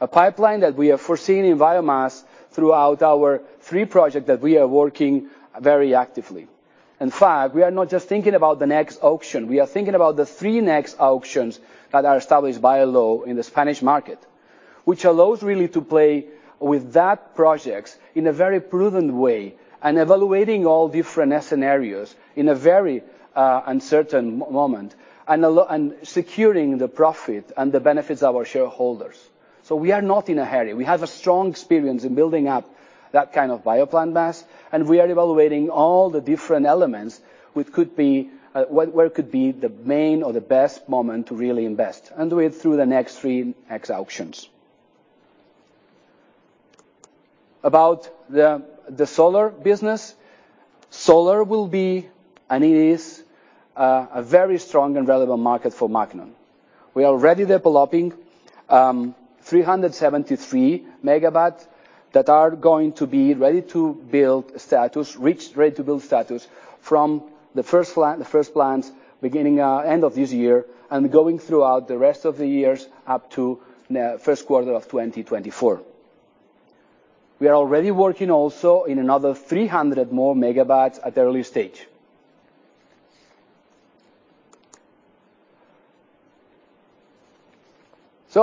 A pipeline that we are focusing on in biomass through our three projects that we are working very actively. In fact, we are not just thinking about the next auction, we are thinking about the three next auctions that are established by a law in the Spanish market, which allows really to play with those projects in a very prudent way and evaluating all different scenarios in a very uncertain moment, and securing the profit and the benefits of our shareholders. We are not in a hurry. We have a strong experience in building up that kind of biomass plant, and we are evaluating all the different elements which could be where could be the main or the best moment to really invest, and do it through the next three auctions. About the solar business. Solar will be, and it is, a very strong and relevant market for Magnon. We are already developing 373 MW that are going to be ready to build status, reach ready to build status from the first plant, the first plants beginning end of this year and going throughout the rest of the years up to first quarter of 2024. We are already working also in another 300 more megawatts at early stage.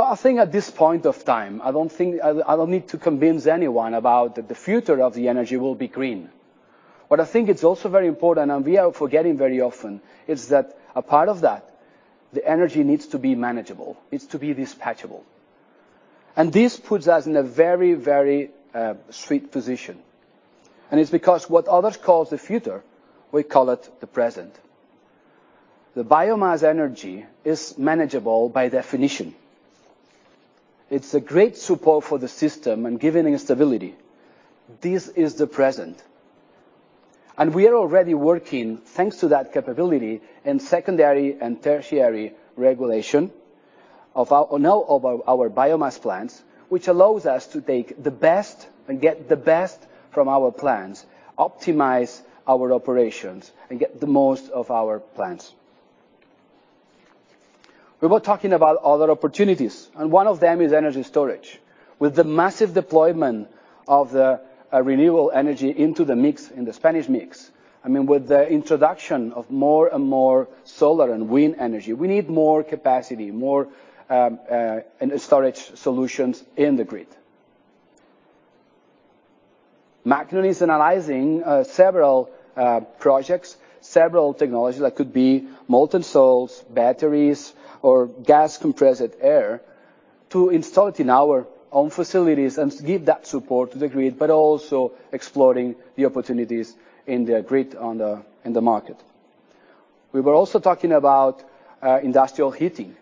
I think at this point of time, I don't think I don't need to convince anyone about the future of the energy will be green. What I think it's also very important, and we are forgetting very often, is that a part of that, the energy needs to be manageable. It's to be dispatchable. This puts us in a very sweet position, and it's because what others call the future, we call it the present. The biomass energy is manageable by definition. It's a great support for the system and giving it stability. This is the present. We are already working, thanks to that capability, in secondary and tertiary regulation of our biomass plants, which allows us to take the best and get the best from our plants, optimize our operations, and get the most of our plants. We were talking about other opportunities, and one of them is energy storage. With the massive deployment of the renewable energy into the mix, in the Spanish mix, I mean, with the introduction of more and more solar and wind energy, we need more capacity, more storage solutions in the grid. Magnon is analyzing several projects, several technologies that could be molten salts, batteries, or gas-compressed air to install it in our own facilities and give that support to the grid, but also exploring the opportunities in the grid on the in the market. We were also talking about industrial heating.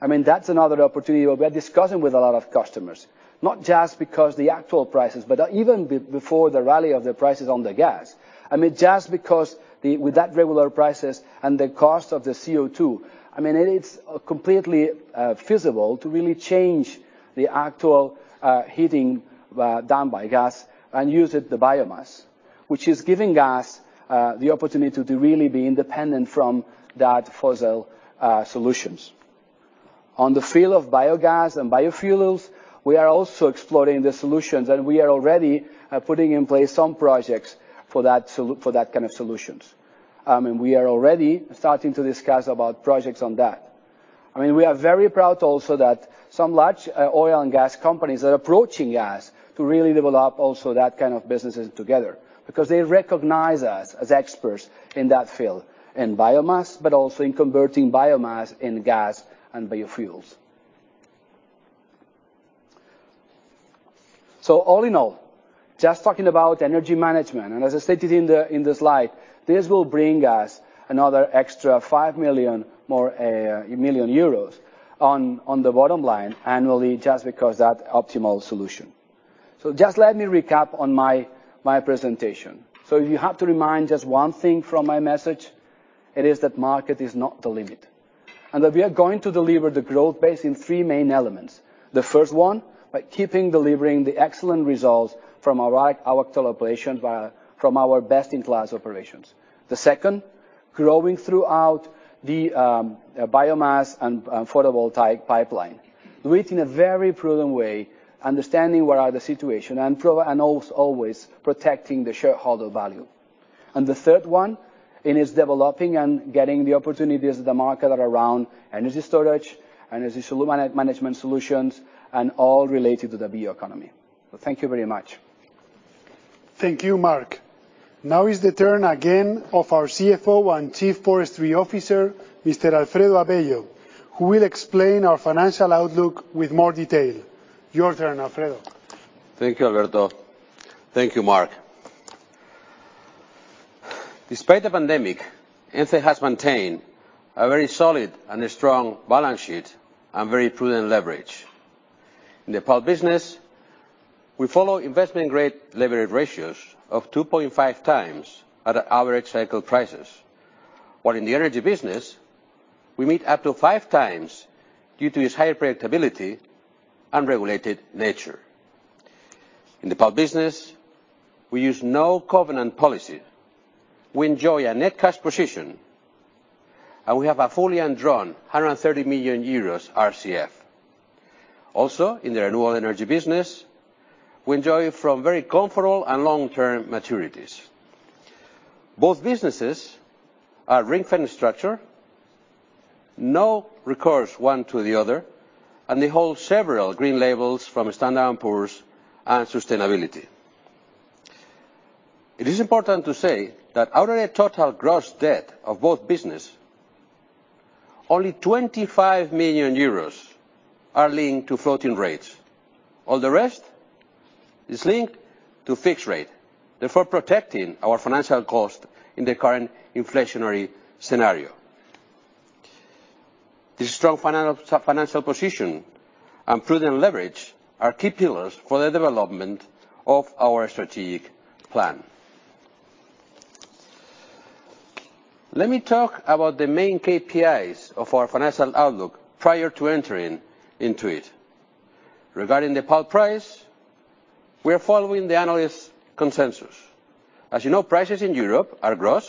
I mean, that's another opportunity we are discussing with a lot of customers. Not just because the actual prices, but even before the rally of the prices on the gas. I mean, just because with that regular prices and the cost of the CO2, I mean, it is completely feasible to really change the actual heating done by gas and use the biomass, which is giving us the opportunity to really be independent from that fossil solutions. On the field of biogas and biofuels, we are also exploring the solutions, and we are already putting in place some projects for that kind of solutions. We are already starting to discuss about projects on that. I mean, we are very proud also that some large oil and gas companies are approaching us to really develop also that kind of businesses together because they recognize us as experts in that field, in biomass, but also in converting biomass in gas and biofuels. All in all, just talking about energy management, and as I stated in the slide, this will bring us another extra 5 million euros more on the bottom line annually just because that optimal solution. Just let me recap on my presentation. If you have to remind just one thing from my message, it is that the market is not the limit, and that we are going to deliver the growth based on three main elements. The first one, by keeping delivering the excellent results from our current operations in Navia, our best-in-class operations. The second, growing through the biomass and photovoltaic pipeline. Do it in a very prudent way, understanding the situation and always protecting the shareholder value. The third one, it is developing and getting the opportunities the market offers around energy storage, energy solutions management solutions, and all related to the bioeconomy. Thank you very much. Thank you, Marc. Now is the turn again of our CFO and Chief Forestry Officer, Mr. Alfredo Avello, who will explain our financial outlook with more detail. Your turn, Alfredo. Thank you, Alberto. Thank you, Marc. Despite the pandemic, ENCE has maintained a very solid and a strong balance sheet and very prudent leverage. In the pulp business, we follow investment-grade levered ratios of 2.5x at our average cycle prices. While in the energy business, we meet up to 5x due to its high predictability and regulated nature. In the pulp business, we use no covenant policy. We enjoy a net cash position, and we have a fully undrawn 130 million euros RCF. Also, in the renewable energy business, we benefit from very comfortable and long-term maturities. Both businesses have a ring-fenced structure, no recourse one to the other, and they hold several green labels from Standard & Poor's on sustainability. It is important to say that out of the total gross debt of both businesses, only 25 million euros are linked to floating rates. All the rest is linked to fixed rate, therefore protecting our financial cost in the current inflationary scenario. The strong financial position and prudent leverage are key pillars for the development of our strategic plan. Let me talk about the main KPIs of our financial outlook prior to entering into it. Regarding the pulp price, we are following the analyst consensus. As you know, prices in Europe are gross,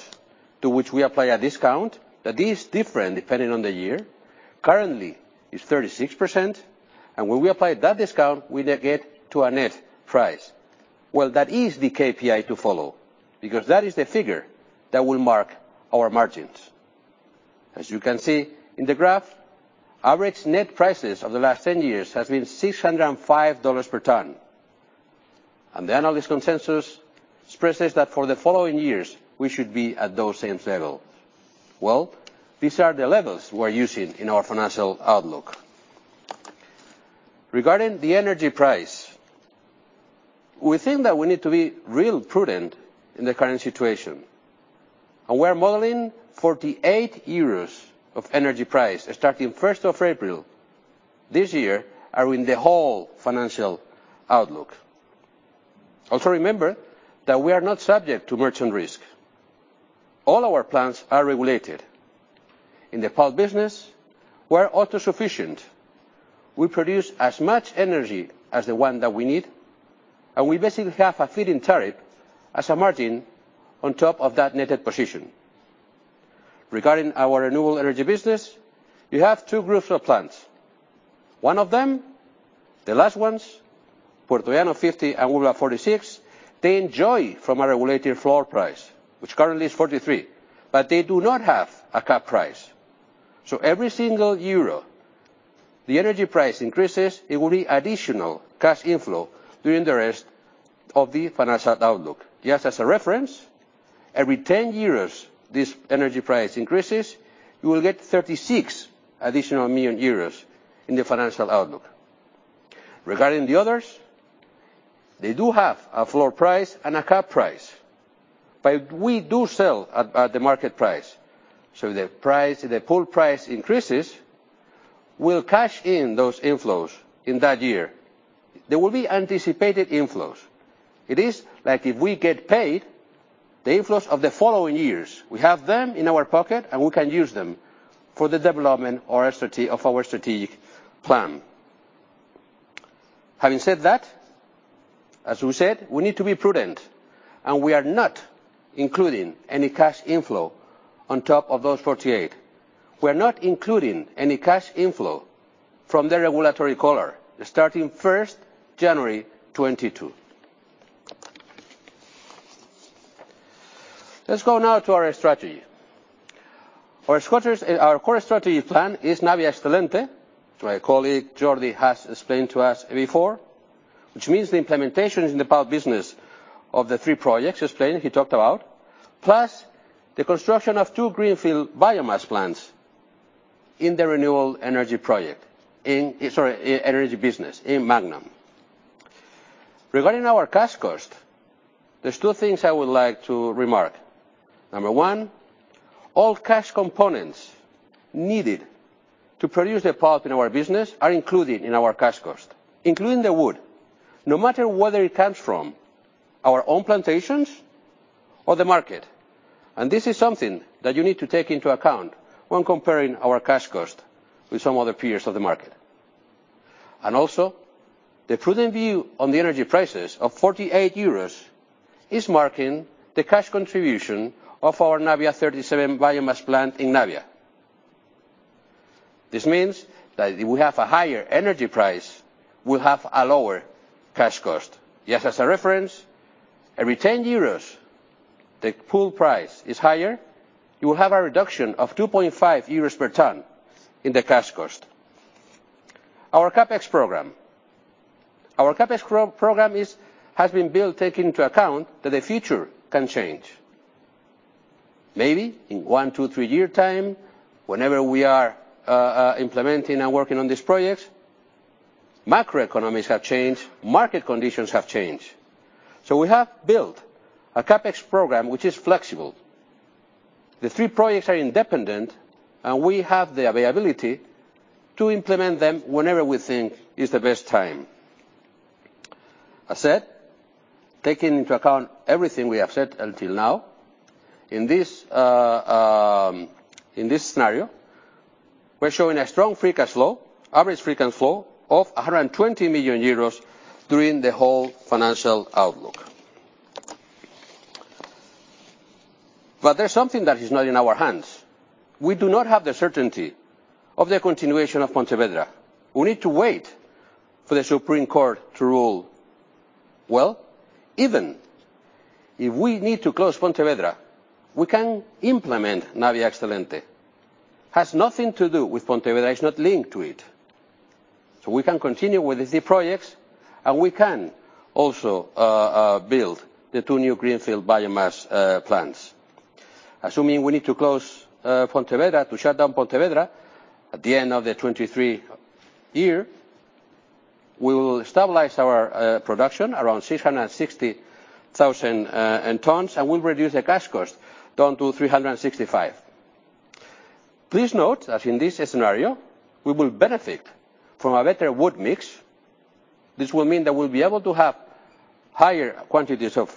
to which we apply a discount that is different depending on the year. Currently, it's 36%, and when we apply that discount, we get to our net price. Well, that is the KPI to follow because that is the figure that will mark our margins. As you can see in the graph, average net prices of the last 10 years has been $605 per ton. The analyst consensus expresses that for the following years, we should be at those same level. Well, these are the levels we're using in our financial outlook. Regarding the energy price, we think that we need to be real prudent in the current situation. We're modeling 48 euros of energy price starting first of April this year, and in the whole financial outlook. Also remember that we are not subject to merchant risk. All our plants are regulated. In the pulp business, we are self-sufficient. We produce as much energy as the one that we need, and we basically have a feed-in tariff as a margin on top of that netted position. Regarding our renewable energy business, you have two groups of plants. One of them, the last ones, Puertollano 50 and Úbeda 46, they enjoy from a regulated floor price, which currently is 43, but they do not have a cap price. Every single euro the energy price increases, it will be additional cash inflow during the rest of the financial outlook. Just as a reference, every 10 euros this energy price increases, you will get 36 million euros additional in the financial outlook. Regarding the others, they do have a floor price and a cap price, but we do sell at the market price. So the price, if the pulp price increases, we'll cash in those inflows in that year. They will be anticipated inflows. It is like if we get paid the inflows of the following years. We have them in our pocket, and we can use them for the development of our strategic plan. Having said that, as we said, we need to be prudent, and we are not including any cash inflow on top of those 48. We're not including any cash inflow from the regulatory collar starting 1st January, 2022. Let's go now to our strategy. Our core strategy plan is Navia Excelente, my colleague Jordi has explained to us before, which means the implementations in the pulp business of the three projects explained, he talked about, plus the construction of two greenfield biomass plants in the renewable energy project. In energy business in Magnon. Regarding our cash cost, there are two things I would like to remark. Number one, all cash components needed to produce the pulp in our business are included in our cash cost, including the wood, no matter whether it comes from our own plantations or the market. This is something that you need to take into account when comparing our cash cost with some other peers of the market. The prudent view on the energy prices of 48 euros is marking the cash contribution of our Navia 37 biomass plant in Navia. This means that if we have a higher energy price, we'll have a lower cash cost. Just as a reference, every 10 euros the pulp price is higher, you will have a reduction of 2.5 euros per ton in the cash cost. Our CapEx program has been built taking into account that the future can change. Maybe in one, two, three year time, whenever we are implementing and working on these projects, macroeconomies have changed, market conditions have changed. We have built a CapEx program which is flexible. The three projects are independent, and we have the availability to implement them whenever we think is the best time. I said, taking into account everything we have said until now, in this scenario. We're showing a strong free cash flow, average free cash flow of 120 million euros during the whole financial outlook. There's something that is not in our hands. We do not have the certainty of the continuation of Pontevedra. We need to wait for the Supreme Court to rule. Well, even if we need to close Pontevedra, we can implement Navia Excelente. Has nothing to do with Pontevedra. It's not linked to it. We can continue with these projects, and we can also build the two new greenfield biomass plants. Assuming we need to close Pontevedra, to shut down Pontevedra, at the end of the 2023 year, we'll stabilize our production around 660,000 tons, and we'll reduce the cash cost down to 365. Please note that in this scenario, we will benefit from a better wood mix. This will mean that we'll be able to have higher quantities of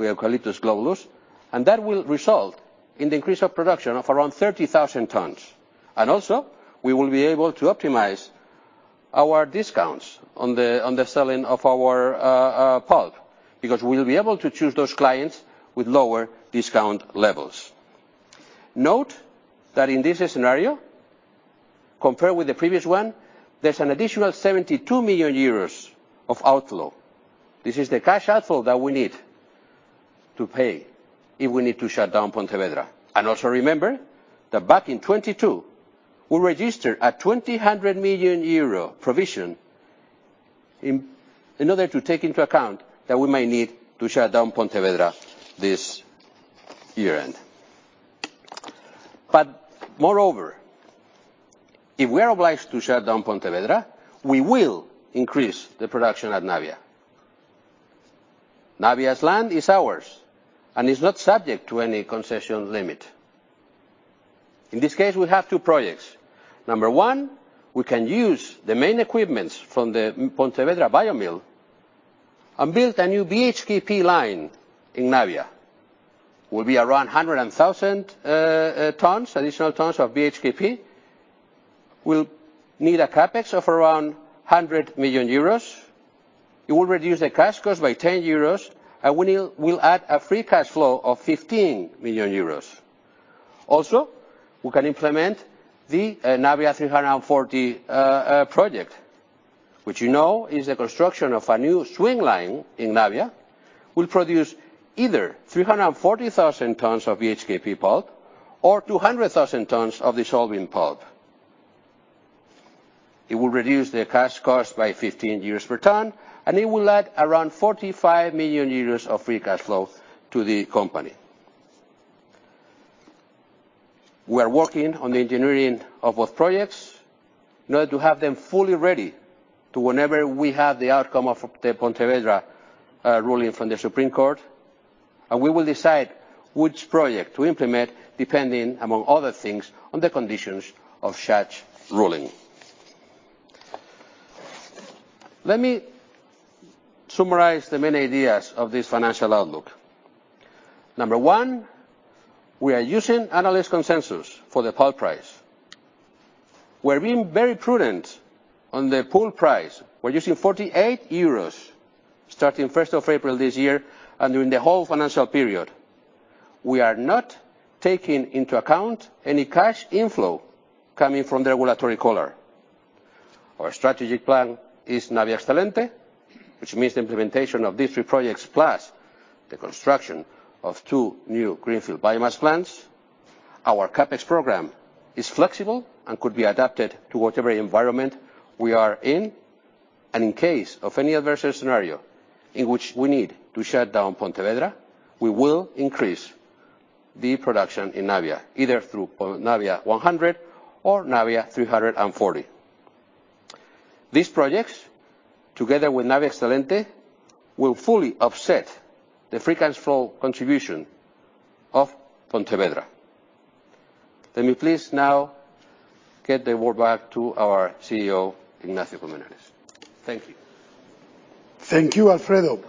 Eucalyptus globulus, and that will result in the increase of production of around 30,000 tons. We will be able to optimize our discounts on the selling of our pulp, because we'll be able to choose those clients with lower discount levels. Note that in this scenario, compared with the previous one, there's an additional 72 million euros of outflow. This is the cash outflow that we need to pay if we need to shut down Pontevedra. Also remember that back in 2022, we registered a EUR 200 million provision in order to take into account that we might need to shut down Pontevedra this year-end. Moreover, if we are obliged to shut down Pontevedra, we will increase the production at Navia. Navia's land is ours and is not subject to any concession limit. In this case, we have two projects. Number one, we can use the main equipment from the Pontevedra biomill and build a new BHKP line in Navia. It will be around 100,000 tons, additional tons of BHKP. We'll need a CapEx of around EUR 100 million. It will reduce the cash cost by EUR 10, and we'll add a free cash flow of 15 million euros. Also, we can implement the Navia 340 project, which you know is the construction of a new swing line in Navia. It will produce either 340,000 tons of BHKP pulp or 200,000 tons of dissolving pulp. It will reduce the cash cost by 15 euros per ton, and it will add around 45 million euros of free cash flow to the company. We are working on the engineering of both projects in order to have them fully ready to whenever we have the outcome of the Pontevedra ruling from the Supreme Court, and we will decide which project to implement, depending, among other things, on the conditions of such ruling. Let me summarize the main ideas of this financial outlook. Number one, we are using analyst consensus for the pulp price. We're being very prudent on the pulp price. We're using 48 euros, starting first of April this year, and during the whole financial period. We are not taking into account any cash inflow coming from the regulatory collar. Our strategic plan is Navia Excelente, which means the implementation of these three projects plus the construction of two new greenfield biomass plants. Our CapEx program is flexible and could be adapted to whatever environment we are in. In case of any adverse scenario in which we need to shut down Pontevedra, we will increase the production in Navia, either through Navia 100 or Navia 340. These projects, together with Navia Excelente, will fully offset the free cash flow contribution of Pontevedra. Let me please now give the word back to our CEO, Ignacio Colmenares. Thank you. Thank you, Alfredo.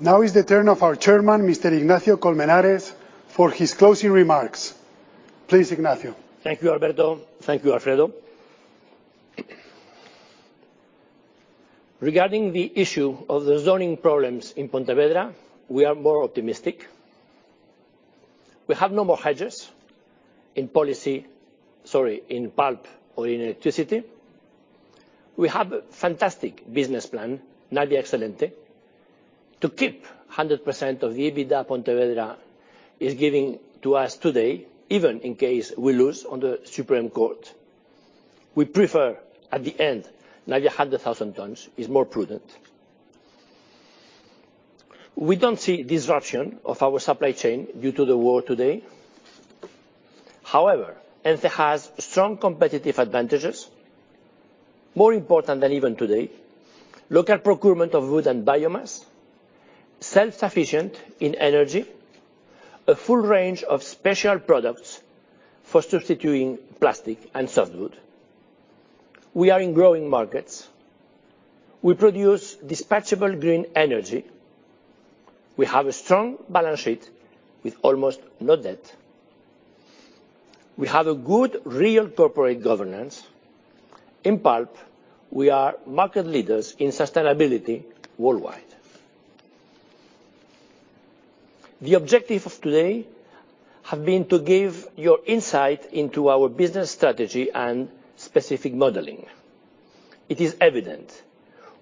Now is the turn of our Chairman, Mr. Ignacio de Colmenares, for his closing remarks. Please, Ignacio. Thank you, Alberto. Thank you, Alfredo. Regarding the issue of the zoning problems in Pontevedra, we are more optimistic. We have no more hedges in place, sorry, in pulp or in electricity. We have a fantastic business plan, Navia Excelente, to keep 100% of the EBITDA Pontevedra is giving to us today, even in case we lose on the Supreme Court. We prefer, at the end, Navia 100,000 tons is more prudent. We don't see disruption of our supply chain due to the war today. However, ENCE has strong competitive advantages, more important than even today, local procurement of wood and biomass, self-sufficient in energy, a full range of special products for substituting plastic and softwood. We are in growing markets. We produce dispatchable green energy. We have a strong balance sheet with almost no debt. We have a good real corporate governance. In pulp, we are market leaders in sustainability worldwide. The objective of today has been to give you insight into our business strategy and specific modeling. It is evident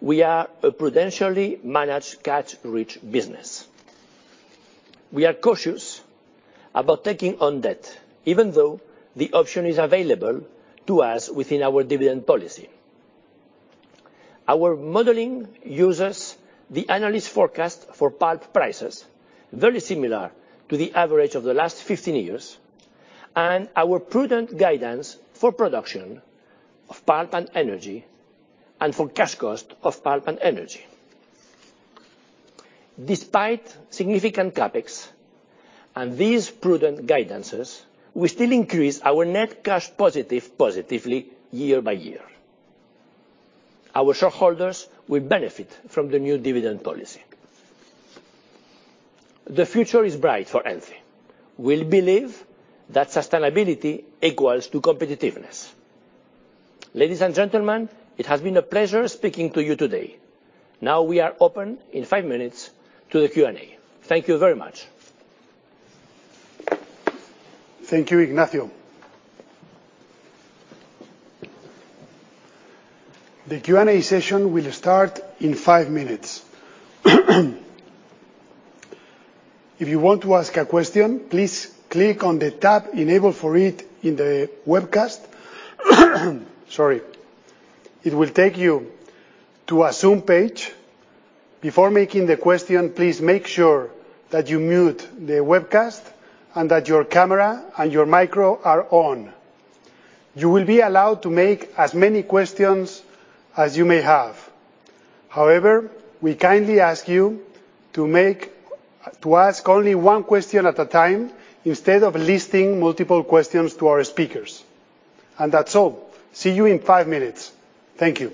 we are a prudently managed cash-rich business. We are cautious about taking on debt, even though the option is available to us within our dividend policy. Our modeling uses the analyst forecast for pulp prices, very similar to the average of the last 15 years, and our prudent guidance for production of pulp and energy and for cash cost of pulp and energy. Despite significant CapEx and these prudent guidances, we still increase our net cash position positively year by year. Our shareholders will benefit from the new dividend policy. The future is bright for Ence. We believe that sustainability equals to competitiveness. Ladies and gentlemen, it has been a pleasure speaking to you today. Now we are open in five minutes to the Q&A. Thank you very much. Thank you, Ignacio. The Q&A session will start in five minutes. If you want to ask a question, please click on the tab enabled for it in the webcast. Sorry. It will take you to a Zoom page. Before making the question, please make sure that you mute the webcast and that your camera and your micro are on. You will be allowed to make as many questions as you may have. However, we kindly ask you to ask only one question at a time instead of listing multiple questions to our speakers. That's all. See you in five minutes. Thank you.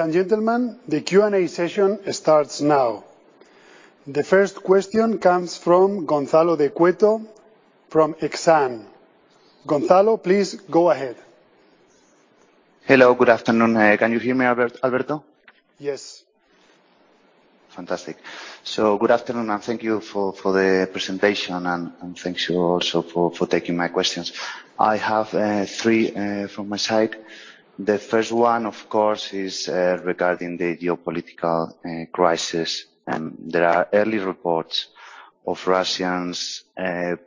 Ladies and gentlemen, the Q&A session starts now. The first question comes from Gonzalo de Cueto from Exane. Gonzalo, please go ahead. Hello. Good afternoon. Can you hear me, Alberto? Yes. Fantastic. Good afternoon, and thank you for the presentation and thank you also for taking my questions. I have three from my side. The first one, of course, is regarding the geopolitical crisis. There are early reports of Russian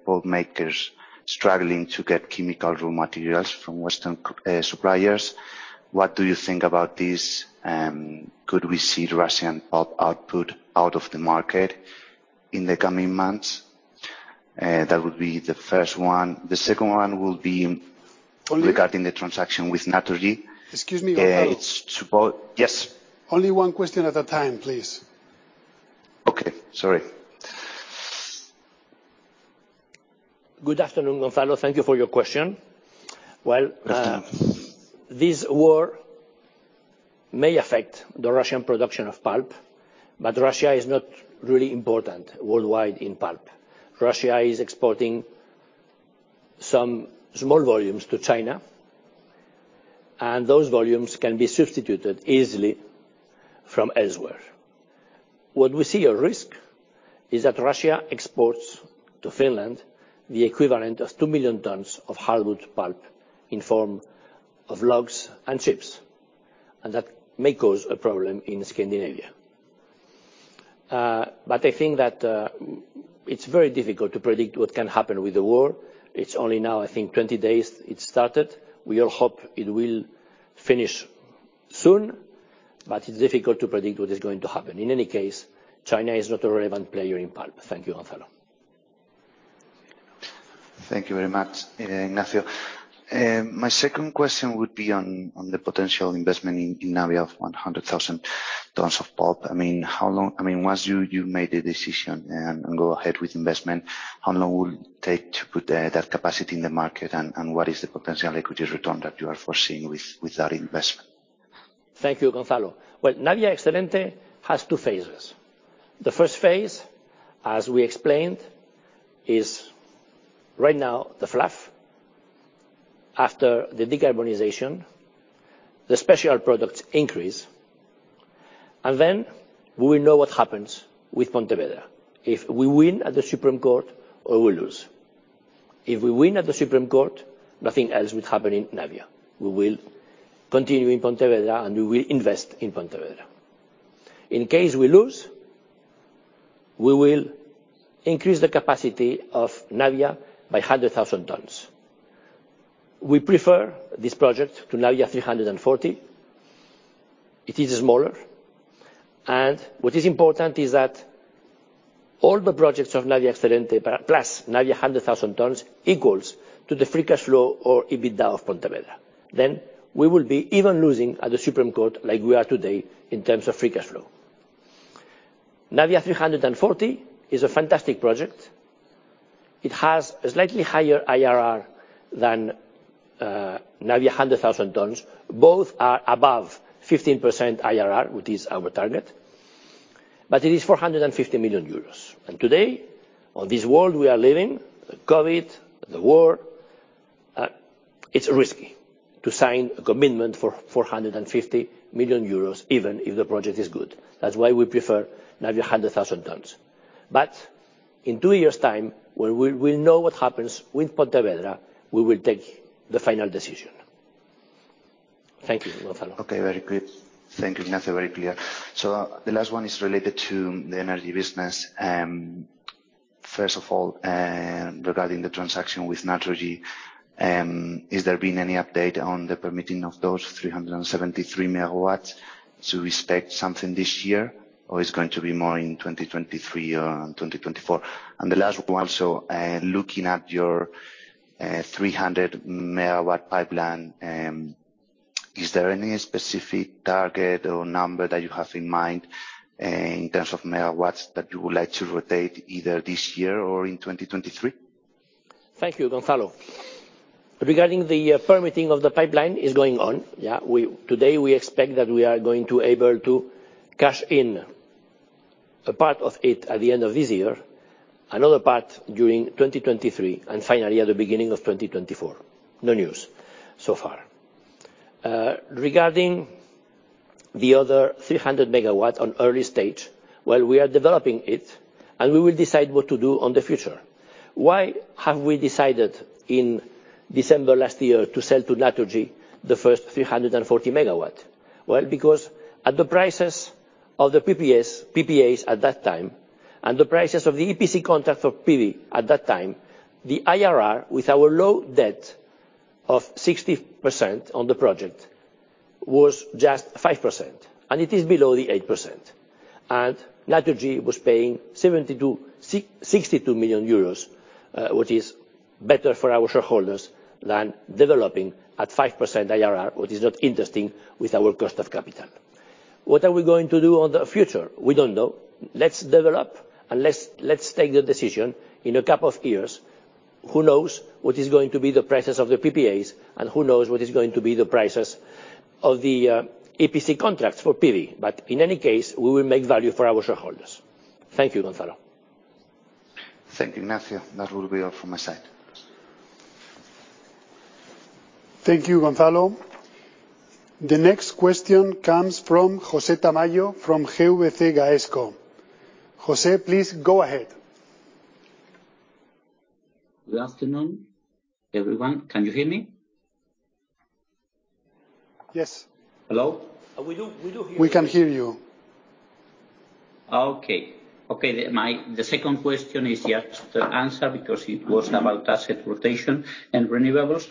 pulp makers struggling to get chemical raw materials from Western suppliers. What do you think about this? Could we see Russian pulp output out of the market in the coming months? That would be the first one. The second one will be- Only- Regarding the transaction with Naturgy. Excuse me, Gonzalo. Yes. Only one question at a time, please. Okay. Sorry. Good afternoon, Gonzalo. Thank you for your question. Well, Thank you. This war may affect the Russian production of pulp, but Russia is not really important worldwide in pulp. Russia is exporting some small volumes to China. Those volumes can be substituted easily from elsewhere. What we see as a risk is that Russia exports to Finland the equivalent of 2 million tons of hardwood pulp in form of logs and chips, and that may cause a problem in Scandinavia. I think that it's very difficult to predict what can happen with the war. It's only now, I think, 20 days it started. We all hope it will finish soon, but it's difficult to predict what is going to happen. In any case, China is not a relevant player in pulp. Thank you, Gonzalo. Thank you very much, Ignacio. My second question would be on the potential investment in Navia of 100,000 tons of pulp. I mean, how long, I mean, once you made the decision and go ahead with investment, how long will it take to put that capacity in the market, and what is the potential equities return that you are foreseeing with that investment? Thank you, Gonzalo. Well, Navia Excelente has two phases. The first phase, as we explained, is right now the fluff. After the decarbonization, the special products increase. Then we will know what happens with Pontevedra if we win at the Supreme Court or we lose. If we win at the Supreme Court, nothing else would happen in Navia. We will continue in Pontevedra, and we will invest in Pontevedra. In case we lose, we will increase the capacity of Navia by 100,000 tons. We prefer this project to Navia 340. It is smaller. What is important is that all the projects of Navia Excelente plus Navia 100,000 tons equals to the free cash flow or EBITDA of Pontevedra. Then we will be even losing at the Supreme Court like we are today in terms of free cash flow. Navia 340 is a fantastic project. It has a slightly higher IRR than Navia 100. Both are above 15% IRR, which is our target, but it is 450 million euros. Today, on this world we are living, the COVID, the war, it's risky to sign a commitment for 450 million euros, even if the project is good. That's why we prefer Navia 100. In 2 years' time, when we know what happens with Pontevedra, we will take the final decision. Thank you, Gonzalo. Okay. Very good. Thank you, Ignacio. Very clear. The last one is related to the energy business. First of all, regarding the transaction with Naturgy, has there been any update on the permitting of those 373 MW to expect something this year, or it's going to be more in 2023 or in 2024? Looking at your 300 MW pipeline, is there any specific target or number that you have in mind, in terms of MW that you would like to rotate either this year or in 2023? Thank you, Gonzalo. Regarding the permitting of the pipeline, it's going on. Today, we expect that we are going to be able to cash in a part of it at the end of this year, another part during 2023, and finally at the beginning of 2024. No news so far. Regarding the other 300 MW in early stage, well, we are developing it, and we will decide what to do in the future. Why have we decided in December last year to sell to Naturgy the first 340 MW? Well, because at the prices of the PPA at that time and the prices of the EPC contract of PV at that time, the IRR with our low debt of 60% on the project was just 5%, and it is below the 8%. Naturgy was paying 72... 662 million euros, which is better for our shareholders than developing at 5% IRR, which is not interesting with our cost of capital. What are we going to do in the future? We don't know. Let's develop and let's take the decision in a couple of years. Who knows what is going to be the prices of the PPA, and who knows what is going to be the prices of the EPC contracts for PV. But in any case, we will make value for our shareholders. Thank you, Gonzalo. Thank you, Ignacio. That will be all from my side. Thank you, Gonzalo. The next question comes from José Tamayo from GVC Gaesco. José, please go ahead. Good afternoon, everyone. Can you hear me? Yes. Hello? We do hear you. We can hear you. The second question is yet to answer because it was about asset rotation and renewables.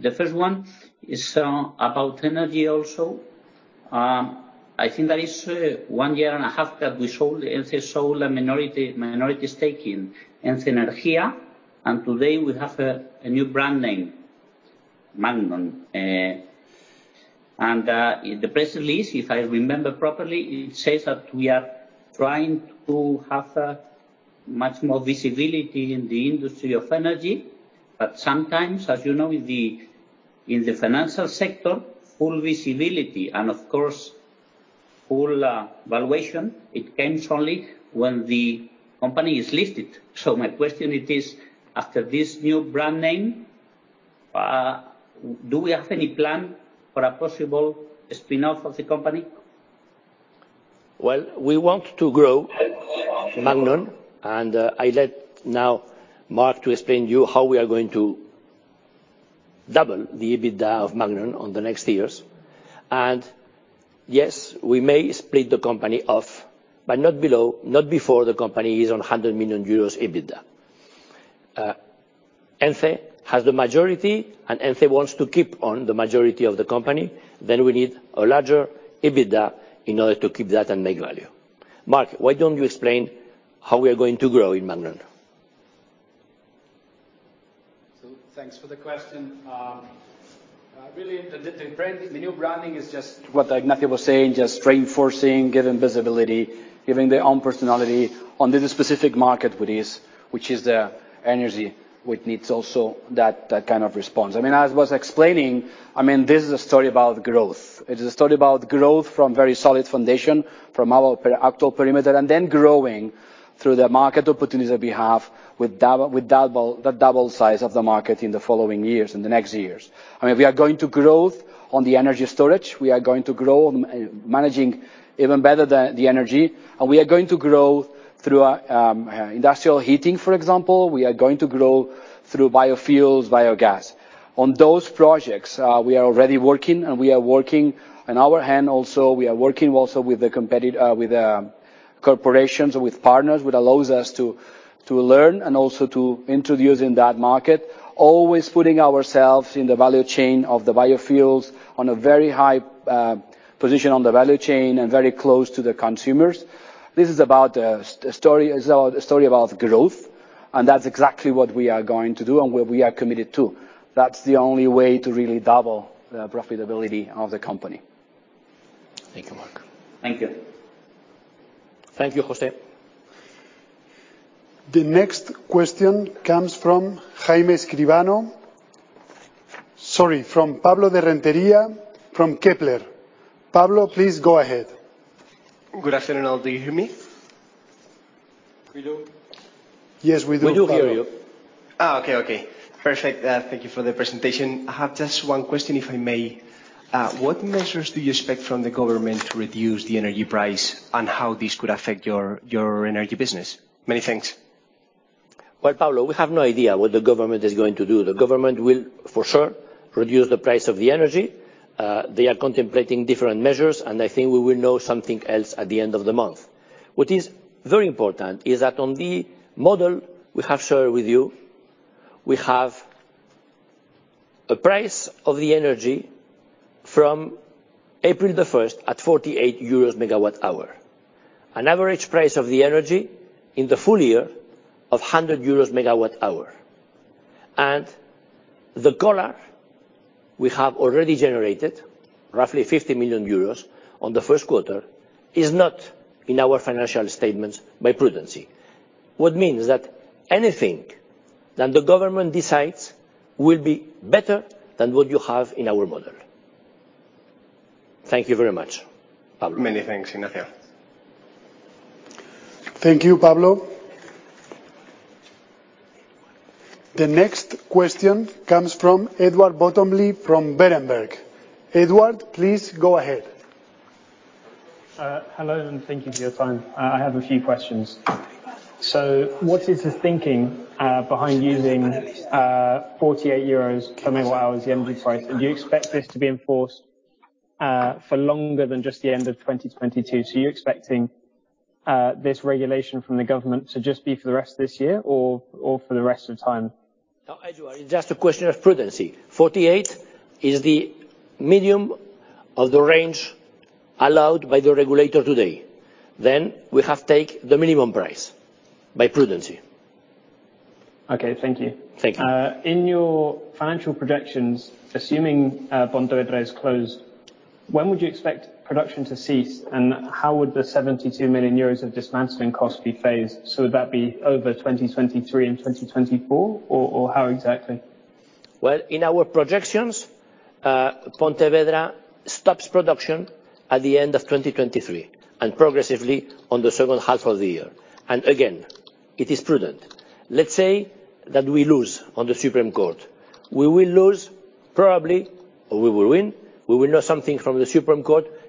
The first one is about energy also. I think that is 1 year and a half that we sold, ENCE sold a minority stake in ENCE Energía, and today we have a new brand name, Magnon. The press release, if I remember properly, it says that we are trying to have much more visibility in the industry of energy. Sometimes, as you know, in the financial sector, full visibility, and of course full valuation, it ends only when the company is listed. My question it is, after this new brand name, do we have any plan for a possible spin off of the company? Well, we want to grow Magnon, and I let now Marc to explain to you how we are going to double the EBITDA of Magnon in the next years. Yes, we may split the company off, but not before the company is at 100 million euros EBITDA. ENCE has the majority, and ENCE wants to keep the majority of the company, then we need a larger EBITDA in order to keep that and make value. Marc, why don't you explain how we are going to grow in Magnon? Thanks for the question. Really the new branding is just what Ignacio was saying, just reinforcing, giving visibility, giving their own personality under the specific market with this, which is the energy, which needs also that kind of response. I mean, as I was explaining, I mean, this is a story about growth. It is a story about growth from very solid foundation, from our current perimeter, and then growing through the market opportunities that we have with the double size of the market in the following years, in the next years. I mean, we are going to growth on the energy storage, we are going to grow on managing even better the energy, and we are going to grow through industrial heating, for example, we are going to grow through biofuels, biogas. On those projects, we are already working, and we are working on our end also. We are working also with corporations and with partners, which allows us to learn and also to introduce in that market, always putting ourselves in the value chain of the biofuels on a very high position on the value chain and very close to the consumers. This is about a story about growth, and that's exactly what we are going to do and what we are committed to. That's the only way to really double the profitability of the company. Thank you, Marc. Thank you. Thank you, José. The next question comes from Jaime Escribano. Sorry, from Pablo de Renteria from Kepler. Pablo, please go ahead. Good afternoon all. Do you hear me? We do. Yes, we do, Pablo. We do hear you. Oh, okay. Perfect. Thank you for the presentation. I have just one question, if I may. What measures do you expect from the government to reduce the energy price and how this could affect your energy business? Many thanks. Well, Pablo, we have no idea what the government is going to do. The government will, for sure, reduce the price of the energy. They are contemplating different measures, and I think we will know something else at the end of the month. What is very important is that on the model we have shared with you, we have a price of the energy from April the first at 48 EUR/MWh. An average price of the energy in the full year of 100 EUR/MWh. The collar we have already generated, roughly 50 million euros on the first quarter, is not in our financial statements by prudency. What means that anything that the government decides will be better than what you have in our model. Thank you very much, Pablo. Many thanks, Ignacio. Thank you, Pablo. The next question comes from Edward Bottomley, from Berenberg. Edward, please go ahead. Hello, and thank you for your time. I have a few questions. What is the thinking behind using 48 euros per megawatt-hour, the energy price? And do you expect this to be enforced for longer than just the end of 2022? You're expecting this regulation from the government to just be for the rest of this year or for the rest of time? No, Edward, it's just a question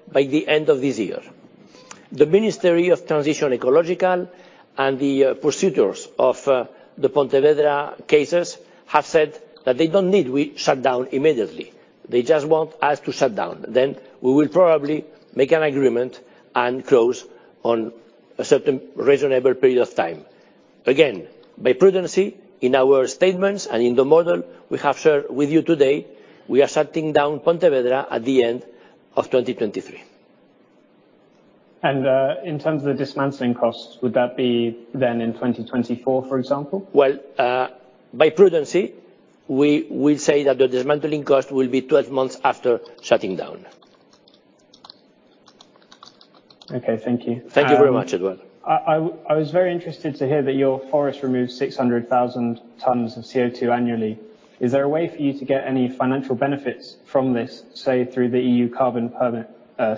of prudence. Forty eight is the medium of the range allowed by the regulator today. We have to take the minimum price by prudence. Okay, thank you. Thank you. In your financial projections, assuming Pontevedra is closed, when would you expect production to cease and how would the EUR 72 million of dismantling costs be phased? Would that be over Is there a way for you to get any financial benefits from this, say, through the EU carbon permit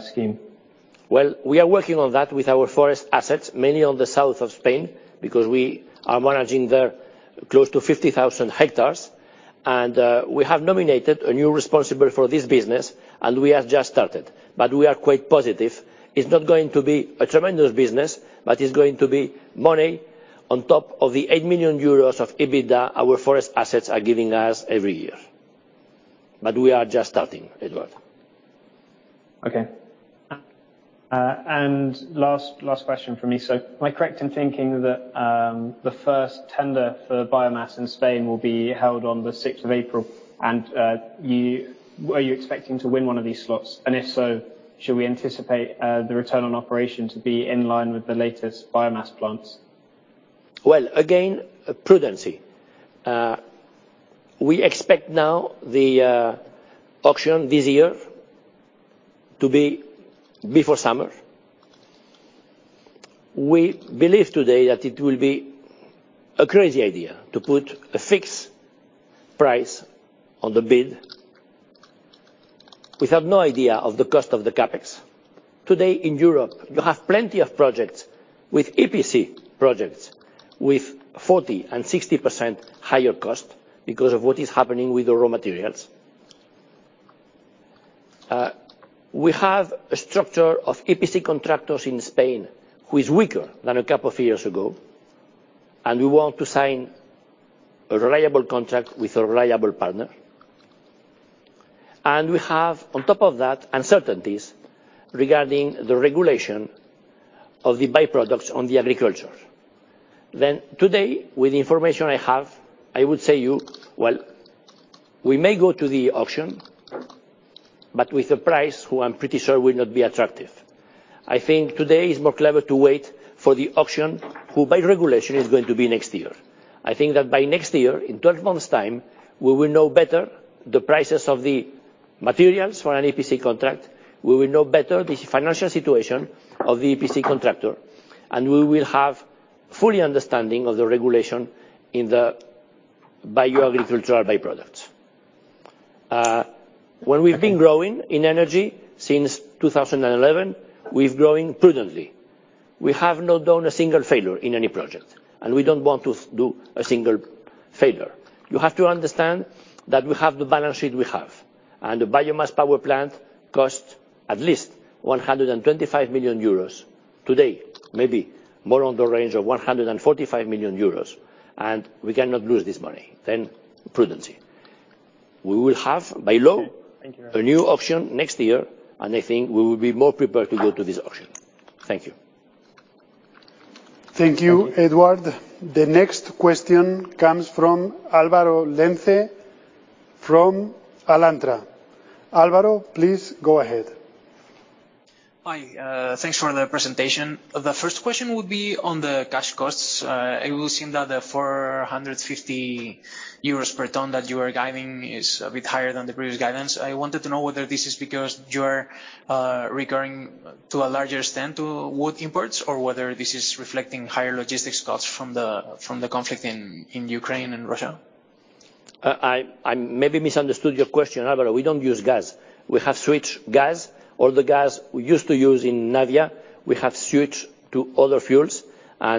scheme? Well, we are working on that with our forest assets, mainly on the south of Spain, because we are managing there close to 50,000 hectares. We have nominated a new responsible for this business, and we have just started, but we are quite positive. It's not going to be a tremendous business, but it's going to be money on top of the 8 million euros of EBITDA our forest assets are giving us every year. We are just starting, Edward. Okay. Last question from me. Am I correct in thinking that the first tender for biomass in Spain will be held on the 6th of April? Are you expecting to win one of these slots? If so, should we anticipate the return on operation to be in line with the latest biomass plants? Well, again, prudency. We expect now the auction this year to be before summer. We believe today that it will be a crazy idea to put a fixed price on the bid. We have no idea of the cost of the CapEx. Today in Europe, you have plenty of projects with EPC projects with 40% and 60% higher cost because of what is happening with the raw materials. We have a structure of EPC contractors in Spain who is weaker than a couple of years ago, and we want to sign a reliable contract with a reliable partner. We have, on top of that, uncertainties regarding the regulation of the by-products on the agriculture. Today, with the information I have, I would say you, well, we may go to the auction, but with a price who I'm pretty sure will not be attractive. I think today is more clever to wait for the auction, which by regulation is going to be next year. I think that by next year, in 12 months' time, we will know better the prices of the materials for an EPC contract, we will know better the financial situation of the EPC contractor, and we will have full understanding of the regulation in the bioagricultural by-products. When we've been growing in energy since 2011, we've grown prudently. We have not done a single failure in any project, and we don't want to do a single failure. You have to understand that we have the balance sheet we have, and the biomass power plant costs at least 125 million euros. Today, maybe more on the range of 145 million euros, and we cannot lose this money. Then, prudence. We will have by law- Okay. Thank you very much. ...new auction next year, and I think we will be more prepared to go to this auction. Thank you. Thank you, Edward. The next question comes from Alvaro Lenze from Alantra. Alvaro, please go ahead. Hi. Thanks for the presentation. The first question would be on the cash costs. It would seem that the 450 euros per ton that you are guiding is a bit higher than the previous guidance. I wanted to know whether this is because you're resorting to a larger extent to wood imports or whether this is reflecting higher logistics costs from the conflict in Ukraine and Russia. I maybe misunderstood your question, Alvaro. We don't use gas. We have switched gas. All the gas we used to use in Navia, we have switched to other fuels.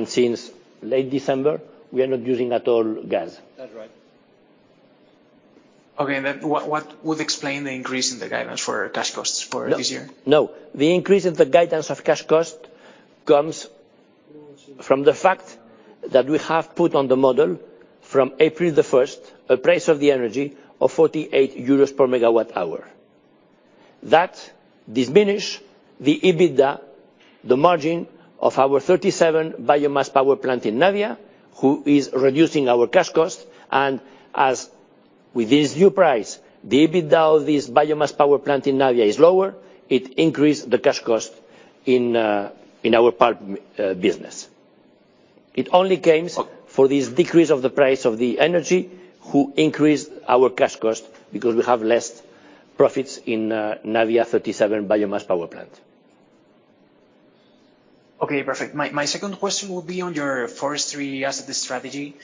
Since late December, we are not using at all gas. That's right. Okay. What would explain the increase in the guidance for cash costs for this year? No, no. The increase in the guidance of cash cost comes from the fact that we have put in the model from April 1st, a price of the energy of 48 euros per MWh. That diminishes the EBITDA margin of our 37-MW biomass power plant in Navia, which is reducing our cash costs. As with this new price, the EBITDA of this biomass power plant in Navia is lower, it increased the cash cost in our pulp business. It only comes from this decrease of the price of the energy which increased our cash cost because we have less profits in Navia 37-MW biomass power plant. Okay, perfect. My second question would be on your forestry asset strategy,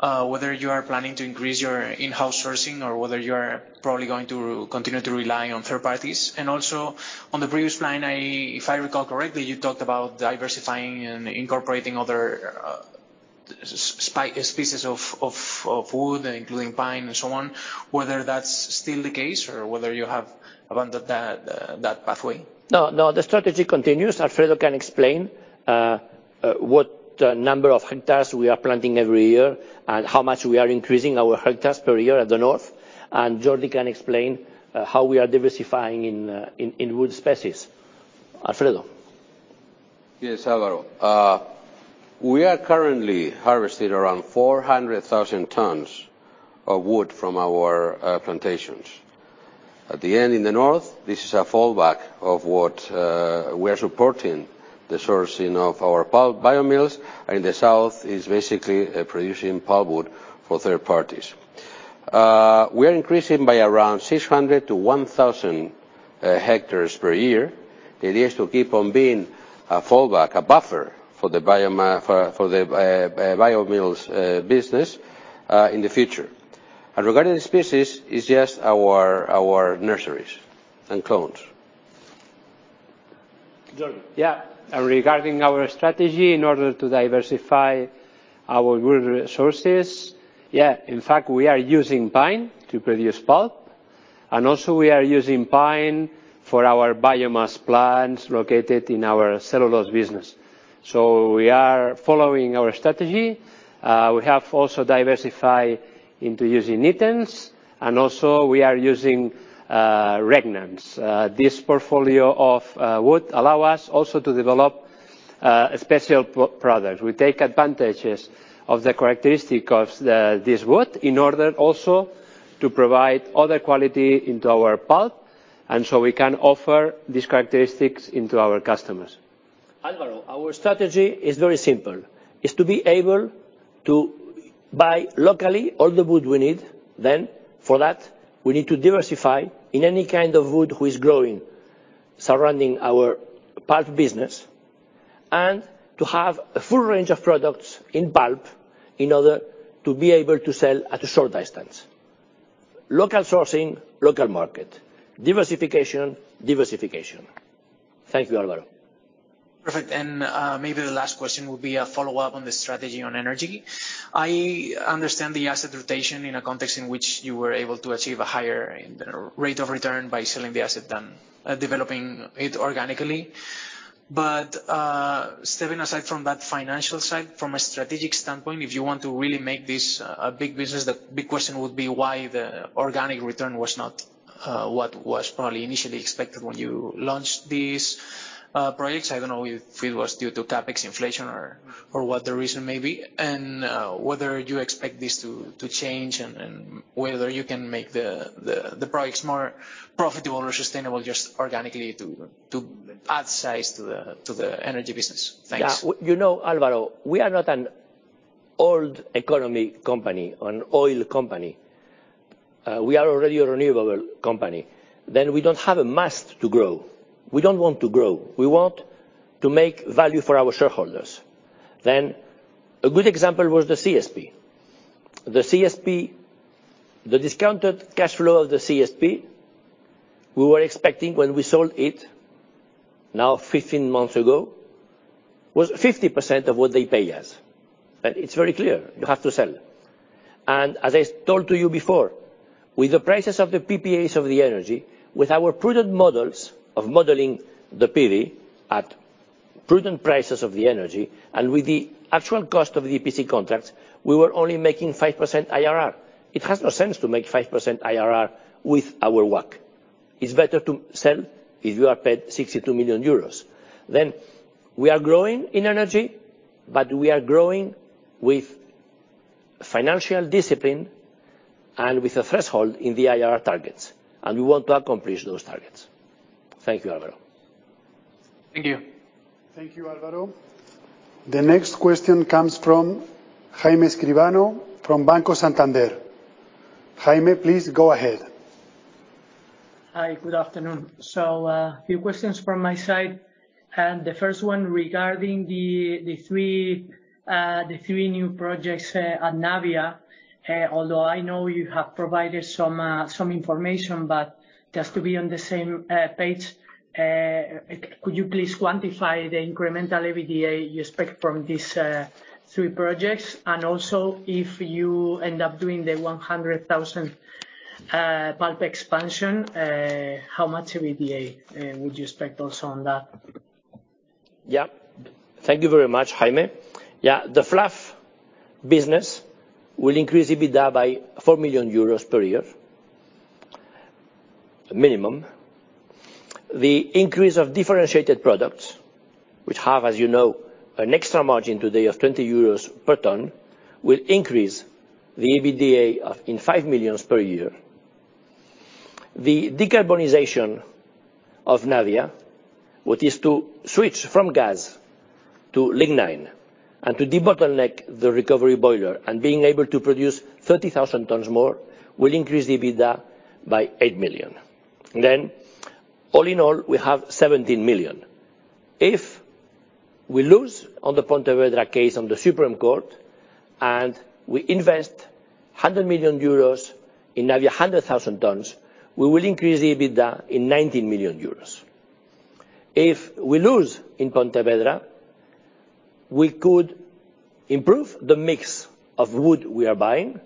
whether you are planning to increase your in-house sourcing or whether you are probably going to continue to rely on third parties. Also on the previous line, if I recall correctly, you talked about diversifying and incorporating other species of wood, including pine and so on, whether that's still the case or whether you have abandoned that pathway. No, no, the strategy continues. Alfredo can explain what number of hectares we are planting every year and how much we are increasing our hectares per year at the north. Jordi can explain how we are diversifying in wood species. Alfredo. Yes, Álvaro. We are currently harvesting around 400,000 tons of wood from our plantations. In the north, this is a fallback of what we are supporting the sourcing of our pulp biomills, and the south is basically producing pulp wood for third parties. We are increasing by around 600 hectares-1,000 hectares per year. The idea is to keep on being a fallback, a buffer for the biomills business in the future. Regarding the species, it's just our nursery and clones. Jordi. Yeah. Regarding our strategy in order to diversify our wood resources, yeah, in fact, we are using pine to produce pulp. We are using pine for our biomass plants located in our cellulose business. We are following our strategy. We have also diversify into using E. nitens, I don't know if it was due to CapEx inflation or what the reason may be. Whether you expect this to change and whether you can make the products more profitable or sustainable just organically to add size to the energy business. Thanks. Yeah. You know, Álvaro, we are not an old economy company or an oil company. We are already a renewable company. We don't have to grow. We don't want to grow. We want to make value for our shareholders. A good example was the CSP. The discounted cash flow of the CSP, we were expecting when we sold it, 15 months ago, was 50% of what they pay us. It's very clear, you have to sell. As I told you before, with the prices of the PPA of the energy, with our prudent models of modeling the PV at prudent prices of the energy, and with the actual cost of the EPC contract, we were only making 5% IRR. It makes no sense to make 5% IRR with our work. It's better to sell if you are paid 62 million euros. We are growing in energy, but we are growing with financial discipline and with a threshold in the IRR targets, and we want to accomplish those targets. Thank you, Alvaro. Thank you. Thank you, Álvaro. The next question comes from Jaime Escribano from Banco Santander. Jaime, please go ahead. Hi, good afternoon. A few questions from my side. The first one regarding the three new projects at Navia, although I know you have provided some information, but just to be on the same page, could you please quantify the incremental EBITDA you expect from these three projects? Also, if you end up doing the 100,000 pulp expansion, how much EBITDA would you expect also on that? Thank you very much, Jaime. The fluff business will increase EBITDA by 4 million euros per year, minimum. The increase of differentiated products, which have, as you know, an extra margin today of EUR 20 per ton, will increase the EBITDA by 5 million per year. The decarbonization of Navia, which is to switch from gas to lignin and to debottleneck the recovery boiler and being able to produce 30,000 tons more, will increase the EBITDA by EUR 8 million. All in all, we have EUR 17 million. If we lose on the Pontevedra case on the Supreme Court and we invest 100 million euros in Navia, 100,000 tons, we will increase EBITDA by 90 million euros. If we lose in Pontevedra, we could improve the mix of wood we are buying,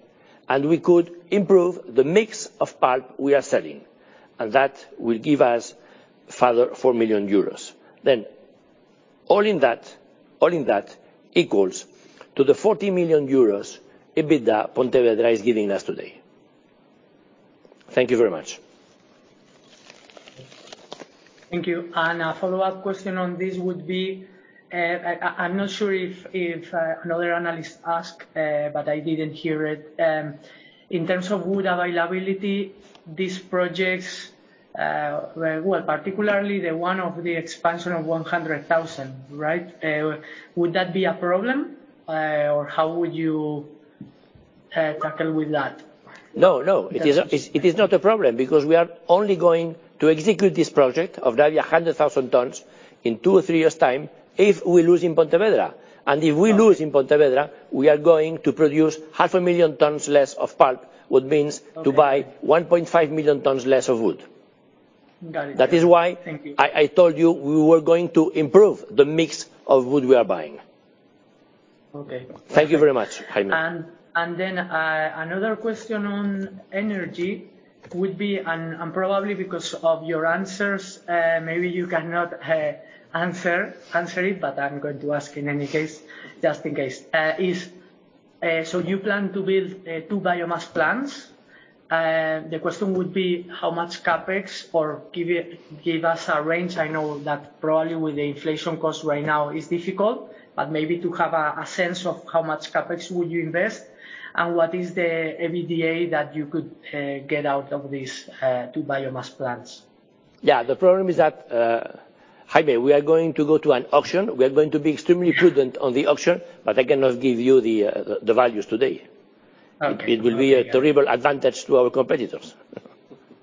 and we could improve the mix of pulp we are selling, and that will give us further 4 million euros. All in that equals to the 40 million euros EBITDA Pontevedra is giving us today. Thank you very much. Thank you. A follow-up question on this would be, I'm not sure if another analyst asked, but I didn't hear it. In terms of wood availability, these projects, well, particularly the one of the expansion of 100,000, right? Would that be a problem, or how would you tackle with that? No, no. It is not a problem because we are only going to execute this project of Navia 100,000 tons in two or three years' time if we lose in Pontevedra. If we lose in Pontevedra, we are going to produce 500,000 tons less of pulp, which means to buy 1.5 million tons less of wood. Got it. That is why- Thank you. I told you we were going to improve the mix of wood we are buying. Okay. Thank you very much, Jaime. Another question on energy would be, probably because of your answers, maybe you cannot answer it, but I'm going to ask in any case, just in case. You plan to build two biomass plants. The question would be how much CapEx or give us a range. I know that probably with the inflation cost right now, it's difficult, but maybe to have a sense of how much CapEx would you invest and what is the EBITDA that you could get out of these two biomass plants. Yeah. The problem is that, Jaime, we are going to go to an auction. We are going to be extremely prudent on the auction, but I cannot give you the values today. Okay. It will be a terrific advantage to our competitors.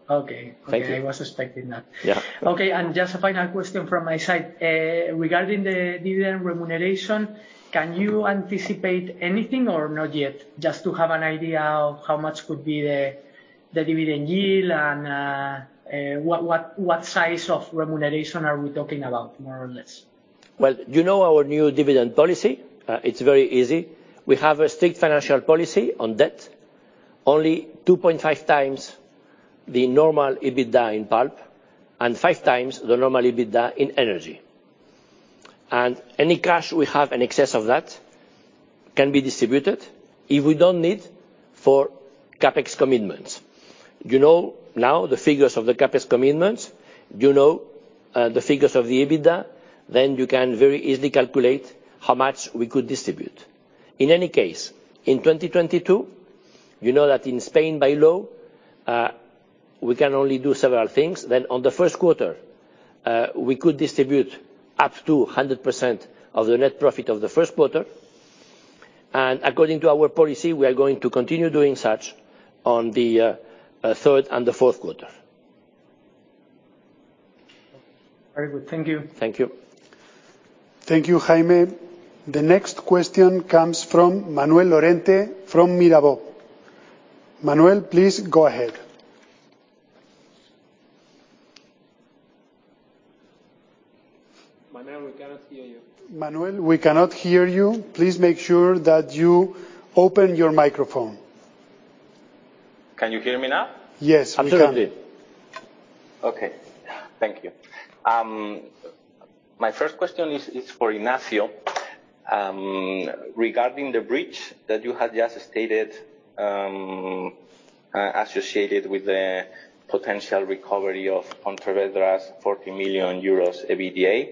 Okay. Thank you. Okay. I was expecting that. Yeah. Okay, just a final question from my side. Regarding the dividend remuneration, can you anticipate anything or not yet? Just to have an idea of how much could be the dividend yield and what size of remuneration are we talking about, more or less? Well, you know our new dividend policy. It's very easy. We have a strict financial policy on debt, only 2.5x the normal EBITDA in pulp and 5x the normal EBITDA in energy. Any cash we have in excess of that can be distributed if we don't need for CapEx commitments. You know now the figures of the CapEx commitments. You know, the figures of the EBITDA. You can very easily calculate how much we could distribute. In any case, in 2022, you know that in Spain, by law, we can only do several things. On the first quarter, we could distribute up to 100% of the net profit of the first quarter. According to our policy, we are going to continue doing such on the third and the fourth quarter. Very good. Thank you. Thank you. Thank you, Jaime. The next question comes from Manuel Lorente from Mirabaud. Manuel, please go ahead. Manuel, we cannot hear you. Manuel, we cannot hear you. Please make sure that you open your microphone. Can you hear me now? Yes, we can. Absolutely. Okay. Thank you. My first question is for Ignacio, regarding the bridge that you had just stated, associated with the potential recovery of Pontevedra's 40 million euros EBITDA.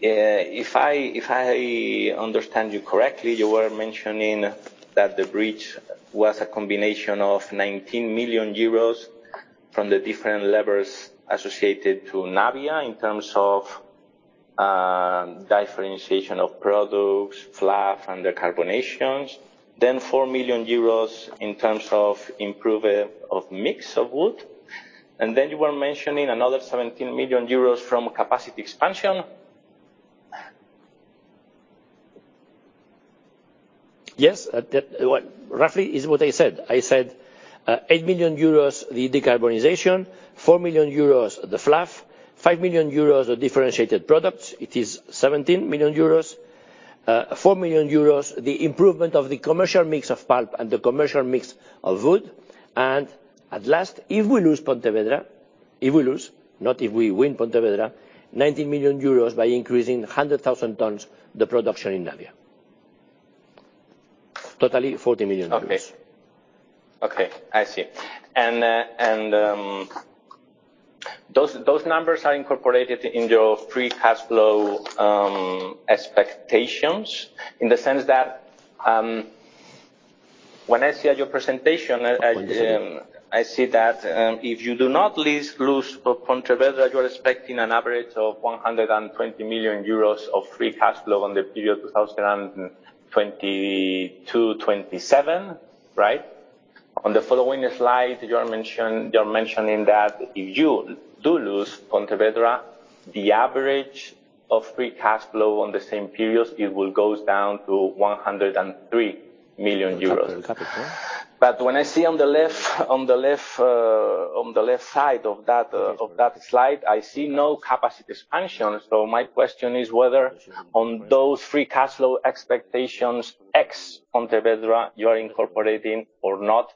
If I understand you correctly, you were mentioning that the bridge was a combination of 19 million euros from the different levers associated to Navia in terms of differentiation of products, fluff and decarbonization. Four million euros in terms of improvement of mix of wood. You were mentioning another 17 million euros from capacity expansion. Yes. Roughly is what I said. I said 8 million euros, the decarbonization, 4 million euros, the fluff, 5 million euros of differentiated products. It is 17 million euros. 4 million euros, the improvement of the commercial mix of pulp and the commercial mix of wood. At last, if we lose Pontevedra, not if we win Pontevedra, 19 million euros by increasing 100,000 tonnes the production in Navia. Totally 40 million. Okay. I see. Those numbers are incorporated in your free cash flow expectations in the sense that when I see at your presentation, I- Forty-seven. I see that if you do not lose Pontevedra, you're expecting an average of 120 million euros of free cash flow on the period 2022-2027, right? On the following slide, you're mentioning that if you do lose Pontevedra, the average of free cash flow on the same periods, it will go down to 103 million euros. The capital. When I see on the left side of that slide, I see no capacity expansion. My question is whether on those free cash flow expectations, ex Pontevedra, you are incorporating or not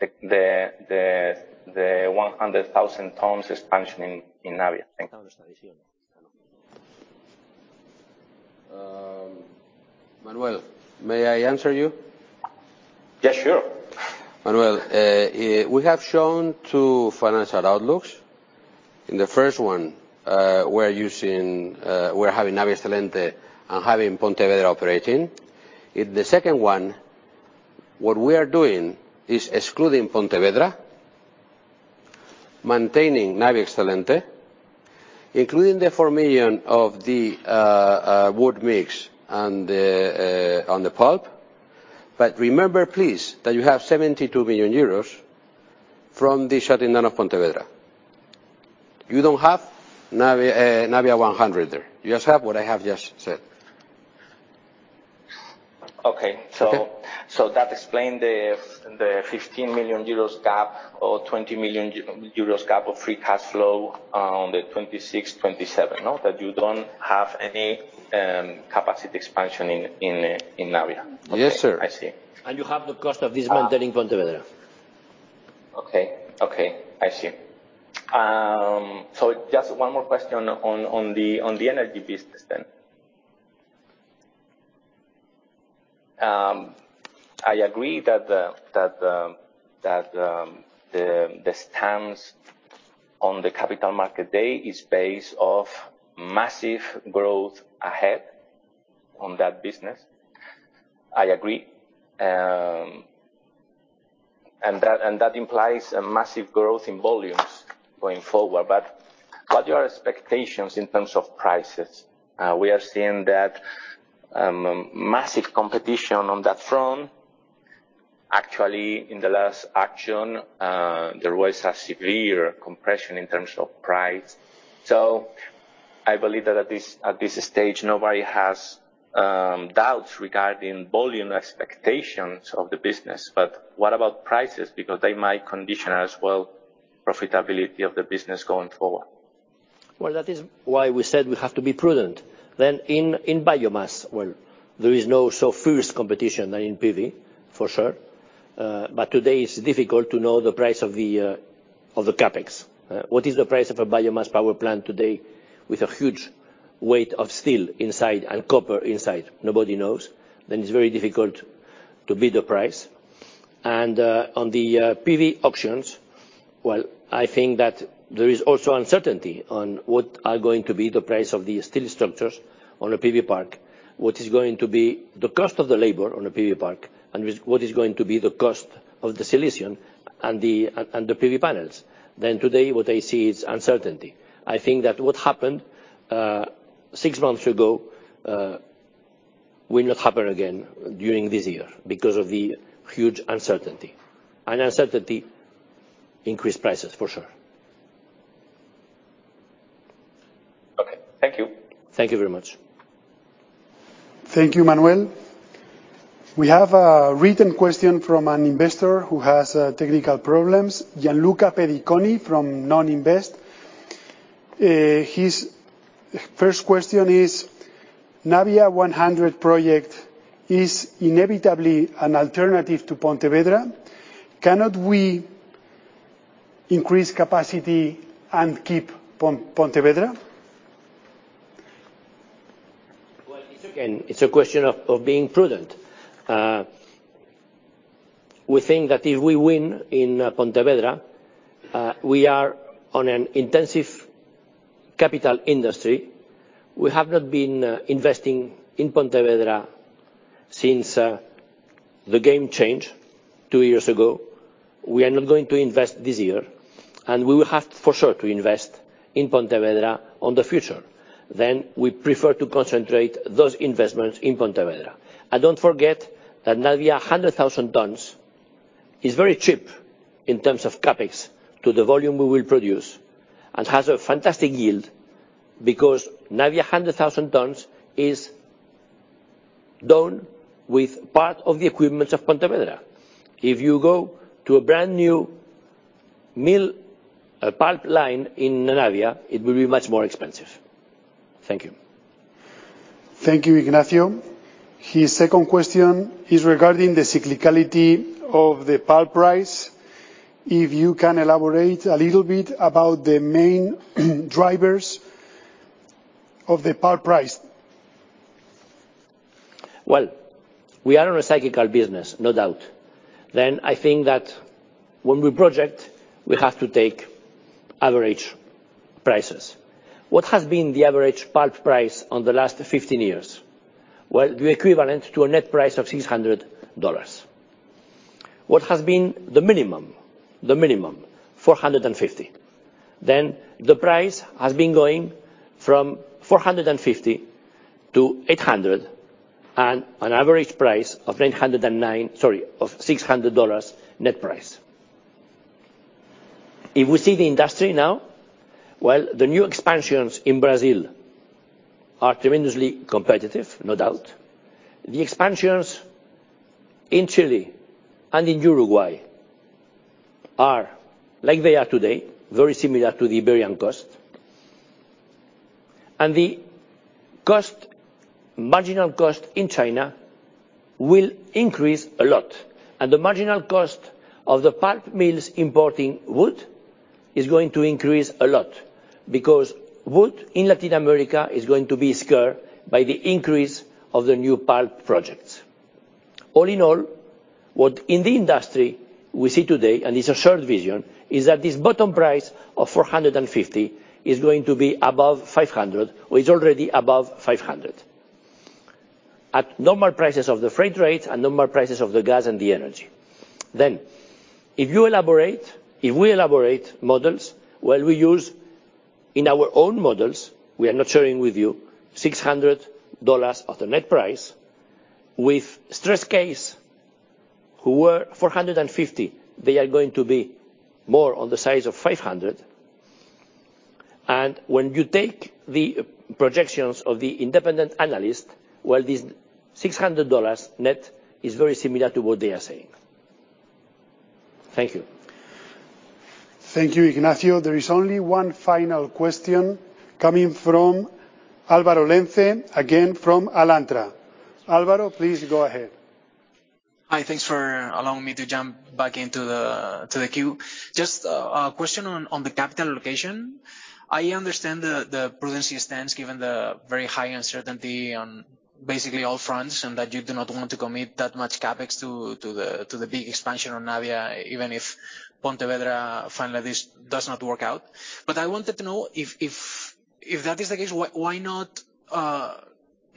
the 100,000 tons expansion in Navia. Thank you. Manuel, may I answer you? Yeah, sure. Manuel, we have shown two financial outlooks. In the first one, we're using, we're having Navia Excelente and having Pontevedra operating. In the second one, what we are doing is excluding Pontevedra. Maintaining Navia Excelente, including the 4 million of the wood mix and the on the pulp. But remember, please, that you have 72 million euros from the shutting down of Pontevedra. You don't have Navia 100 there. You just have what I have just said. Okay. Okay? That explains the 15 million euros or 20 million euros gap of free cash flow in 2026-2027, no? That you don't have any capacity expansion in Navia. Yes, sir. Okay, I see. You have the cost of this. Ah- mantel in Pontevedra. Okay, I see. Just one more question on the energy business then. I agree that the stance on the capital market day is basis of massive growth ahead on that business. I agree. And that implies a massive growth in volumes going forward. What are your expectations in terms of prices? We are seeing massive competition on that front. Actually, in the last auction, there was a severe compression in terms of price. I believe that at this stage, nobody has doubts regarding volume expectations of the business. What about prices? Because they might condition as well profitability of the business going forward. Well, that is why we said we have to be prudent. In biomass, well, there is not so furious competition than in PV, for sure. Today is difficult to know the price of the CapEx. What is the price of a biomass power plant today with a huge weight of steel inside and copper inside? Nobody knows. It's very difficult to bid the price. On the PV auctions, well, I think that there is also uncertainty on what are going to be the price of the steel structures on a PV park, what is going to be the cost of the labor on a PV park, and what is going to be the cost of the solution and the PV panels. Today what I see is uncertainty. I think that what happened, six months ago, will not happen again during this year because of the huge uncertainty. Uncertainty increase prices for sure. Okay. Thank you. Thank you very much. Thank you, Manuel. We have a written question from an investor who has technical problems, Gianluca Pediconi from MOMentum Alternative Investments. His first question is, Navia 100 project is inevitably an alternative to Pontevedra. Cannot we increase capacity and keep Pontevedra? Well, it's a question of being prudent. We think that if we win in Pontevedra, we are in a capital-intensive industry. We have not been investing in Pontevedra since the game changed two years ago. We are not going to invest this year, and we will have for sure to invest in Pontevedra in the future. We prefer to concentrate those investments in Pontevedra. Don't forget that Navia 100,000 tons is very cheap in terms of CapEx to the volume we will produce, and has a fantastic yield because Navia 100,000 tons is done with part of the equipment of Pontevedra. If you go to a brand-new mill, pulp line in Navia, it will be much more expensive. Thank you. Thank you, Ignacio. His second question is regarding the cyclicality of the pulp price. If you can elaborate a little bit about the main drivers of the pulp price. Well, we are in a cyclical business, no doubt. I think that when we project, we have to take average prices. What has been the average pulp price on the last 15 years? Well, the equivalent to a net price of $600. What has been the minimum? The minimum, $450. The price has been going from $450 to $800, and an average price of $909, sorry, of $600 net price. If we see the industry now, well, the new expansions in Brazil are tremendously competitive, no doubt. The expansions in Chile and in Uruguay are, like they are today, very similar to the Iberian cost. The cost, marginal cost in China will increase a lot, and the marginal cost of the pulp mills importing wood is going to increase a lot because wood in Latin America is going to be scarcer by the increase of the new pulp projects. All in all, what in the industry we see today, and it's a shared vision, is that this bottom price of $450 is going to be above $500, or is already above $500. At normal prices of the freight rate and normal prices of the gas and the energy. If you elaborate, if we elaborate models, well, we use in our own models, we are not sharing with you, $600 of the net price with stress case who were $450, they are going to be more on the size of $500. When you think the projections of the independent analyst, well, this $600 net is very similar to what they are saying. Thank you. Thank you, Ignacio. There is only one final question coming from Alvaro Lenze, again from Alantra. Alvaro, please go ahead. Hi, thanks for allowing me to jump back into the queue. Just a question on the capital allocation. I understand the prudence stance given the very high uncertainty on basically all fronts, and that you do not want to commit that much CapEx to the big expansion on Navia, even if Pontevedra finally does not work out. I wanted to know if that is the case, why not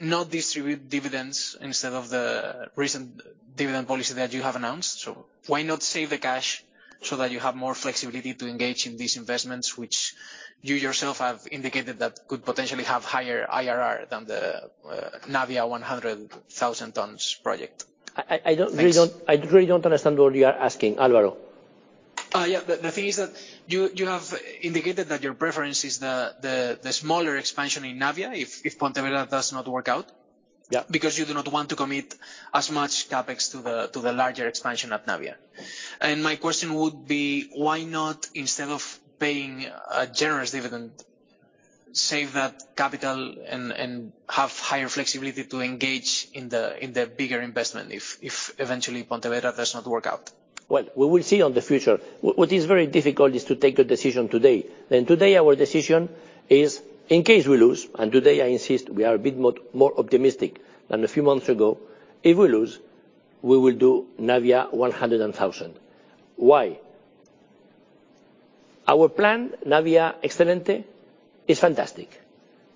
not distribute dividends instead of the recent dividend policy that you have announced. Why not save the cash so that you have more flexibility to engage in these investments, which you yourself have indicated that could potentially have higher IRR than the Navia 100,000 tons project? I don't- Thanks. I really don't understand what you are asking, Álvaro. The thing is that you have indicated that your preference is the smaller expansion in Navia if Pontevedra does not work out. Yeah. Because you do not want to commit as much CapEx to the larger expansion at Navia. My question would be, why not, instead of paying a generous dividend, save that capital and have higher flexibility to engage in the bigger investment if eventually Pontevedra does not work out? Well, we will see in the future. What is very difficult is to take a decision today. Today our decision is in case we lose, and today, I insist, we are a bit more optimistic than a few months ago. If we lose, we will do Navia 100,000. Why? Our plan, Navia Excelente, is fantastic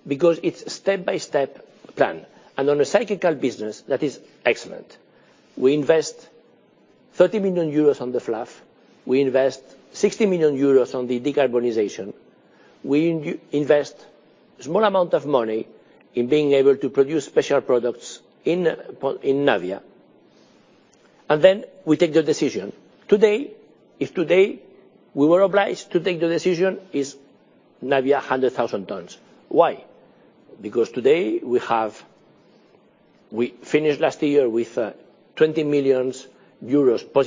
because it's step-by-step plan, and on a cyclical business, that is excellent. We invest 30 million euros on the fluff. We invest 60 million euros on the decarbonization. We invest small amount of money in being able to produce special products in Navia. Then we take the decision. Today, if today we were obliged to take the decision, it's Navia 100,000 tons. Why? Because today we have. We finished last year with 20 million euros positive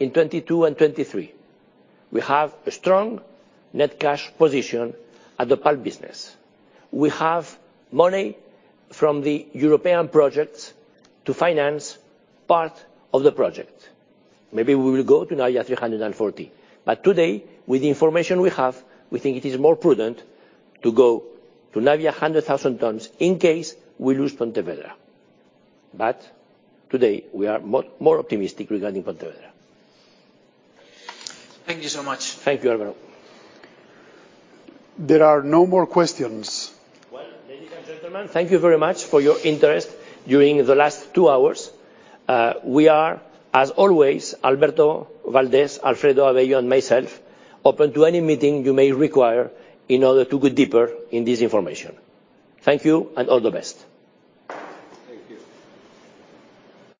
cash on the pulp business. Even so, to sign a contract for EUR 450 million with our size of balance sheet is a bit risky on this uncertain world and on this cyclical industry. Now just dream. Let's say that we are in 2024, and we unfortunately lose in Pontevedra. We have been making a lot of cash in 2022 and 2023. We have a strong net cash position at the pulp business. We have money from the European projects to finance part of the project. Maybe we will go to Navia 340. Today, with the information we have, we think it is more prudent to go to Navia 100,000 tons in case we lose Pontevedra. Today we are more optimistic regarding Pontevedra. Thank you so much. Thank you, Álvaro. There are no more questions. Well, ladies and gentlemen, thank you very much for your interest during the last two hours. We are, as always, Alberto Valdés, Alfredo Avello, and myself, open to any meeting you may require in order to go deeper in this information. Thank you, and all the best. Thank you.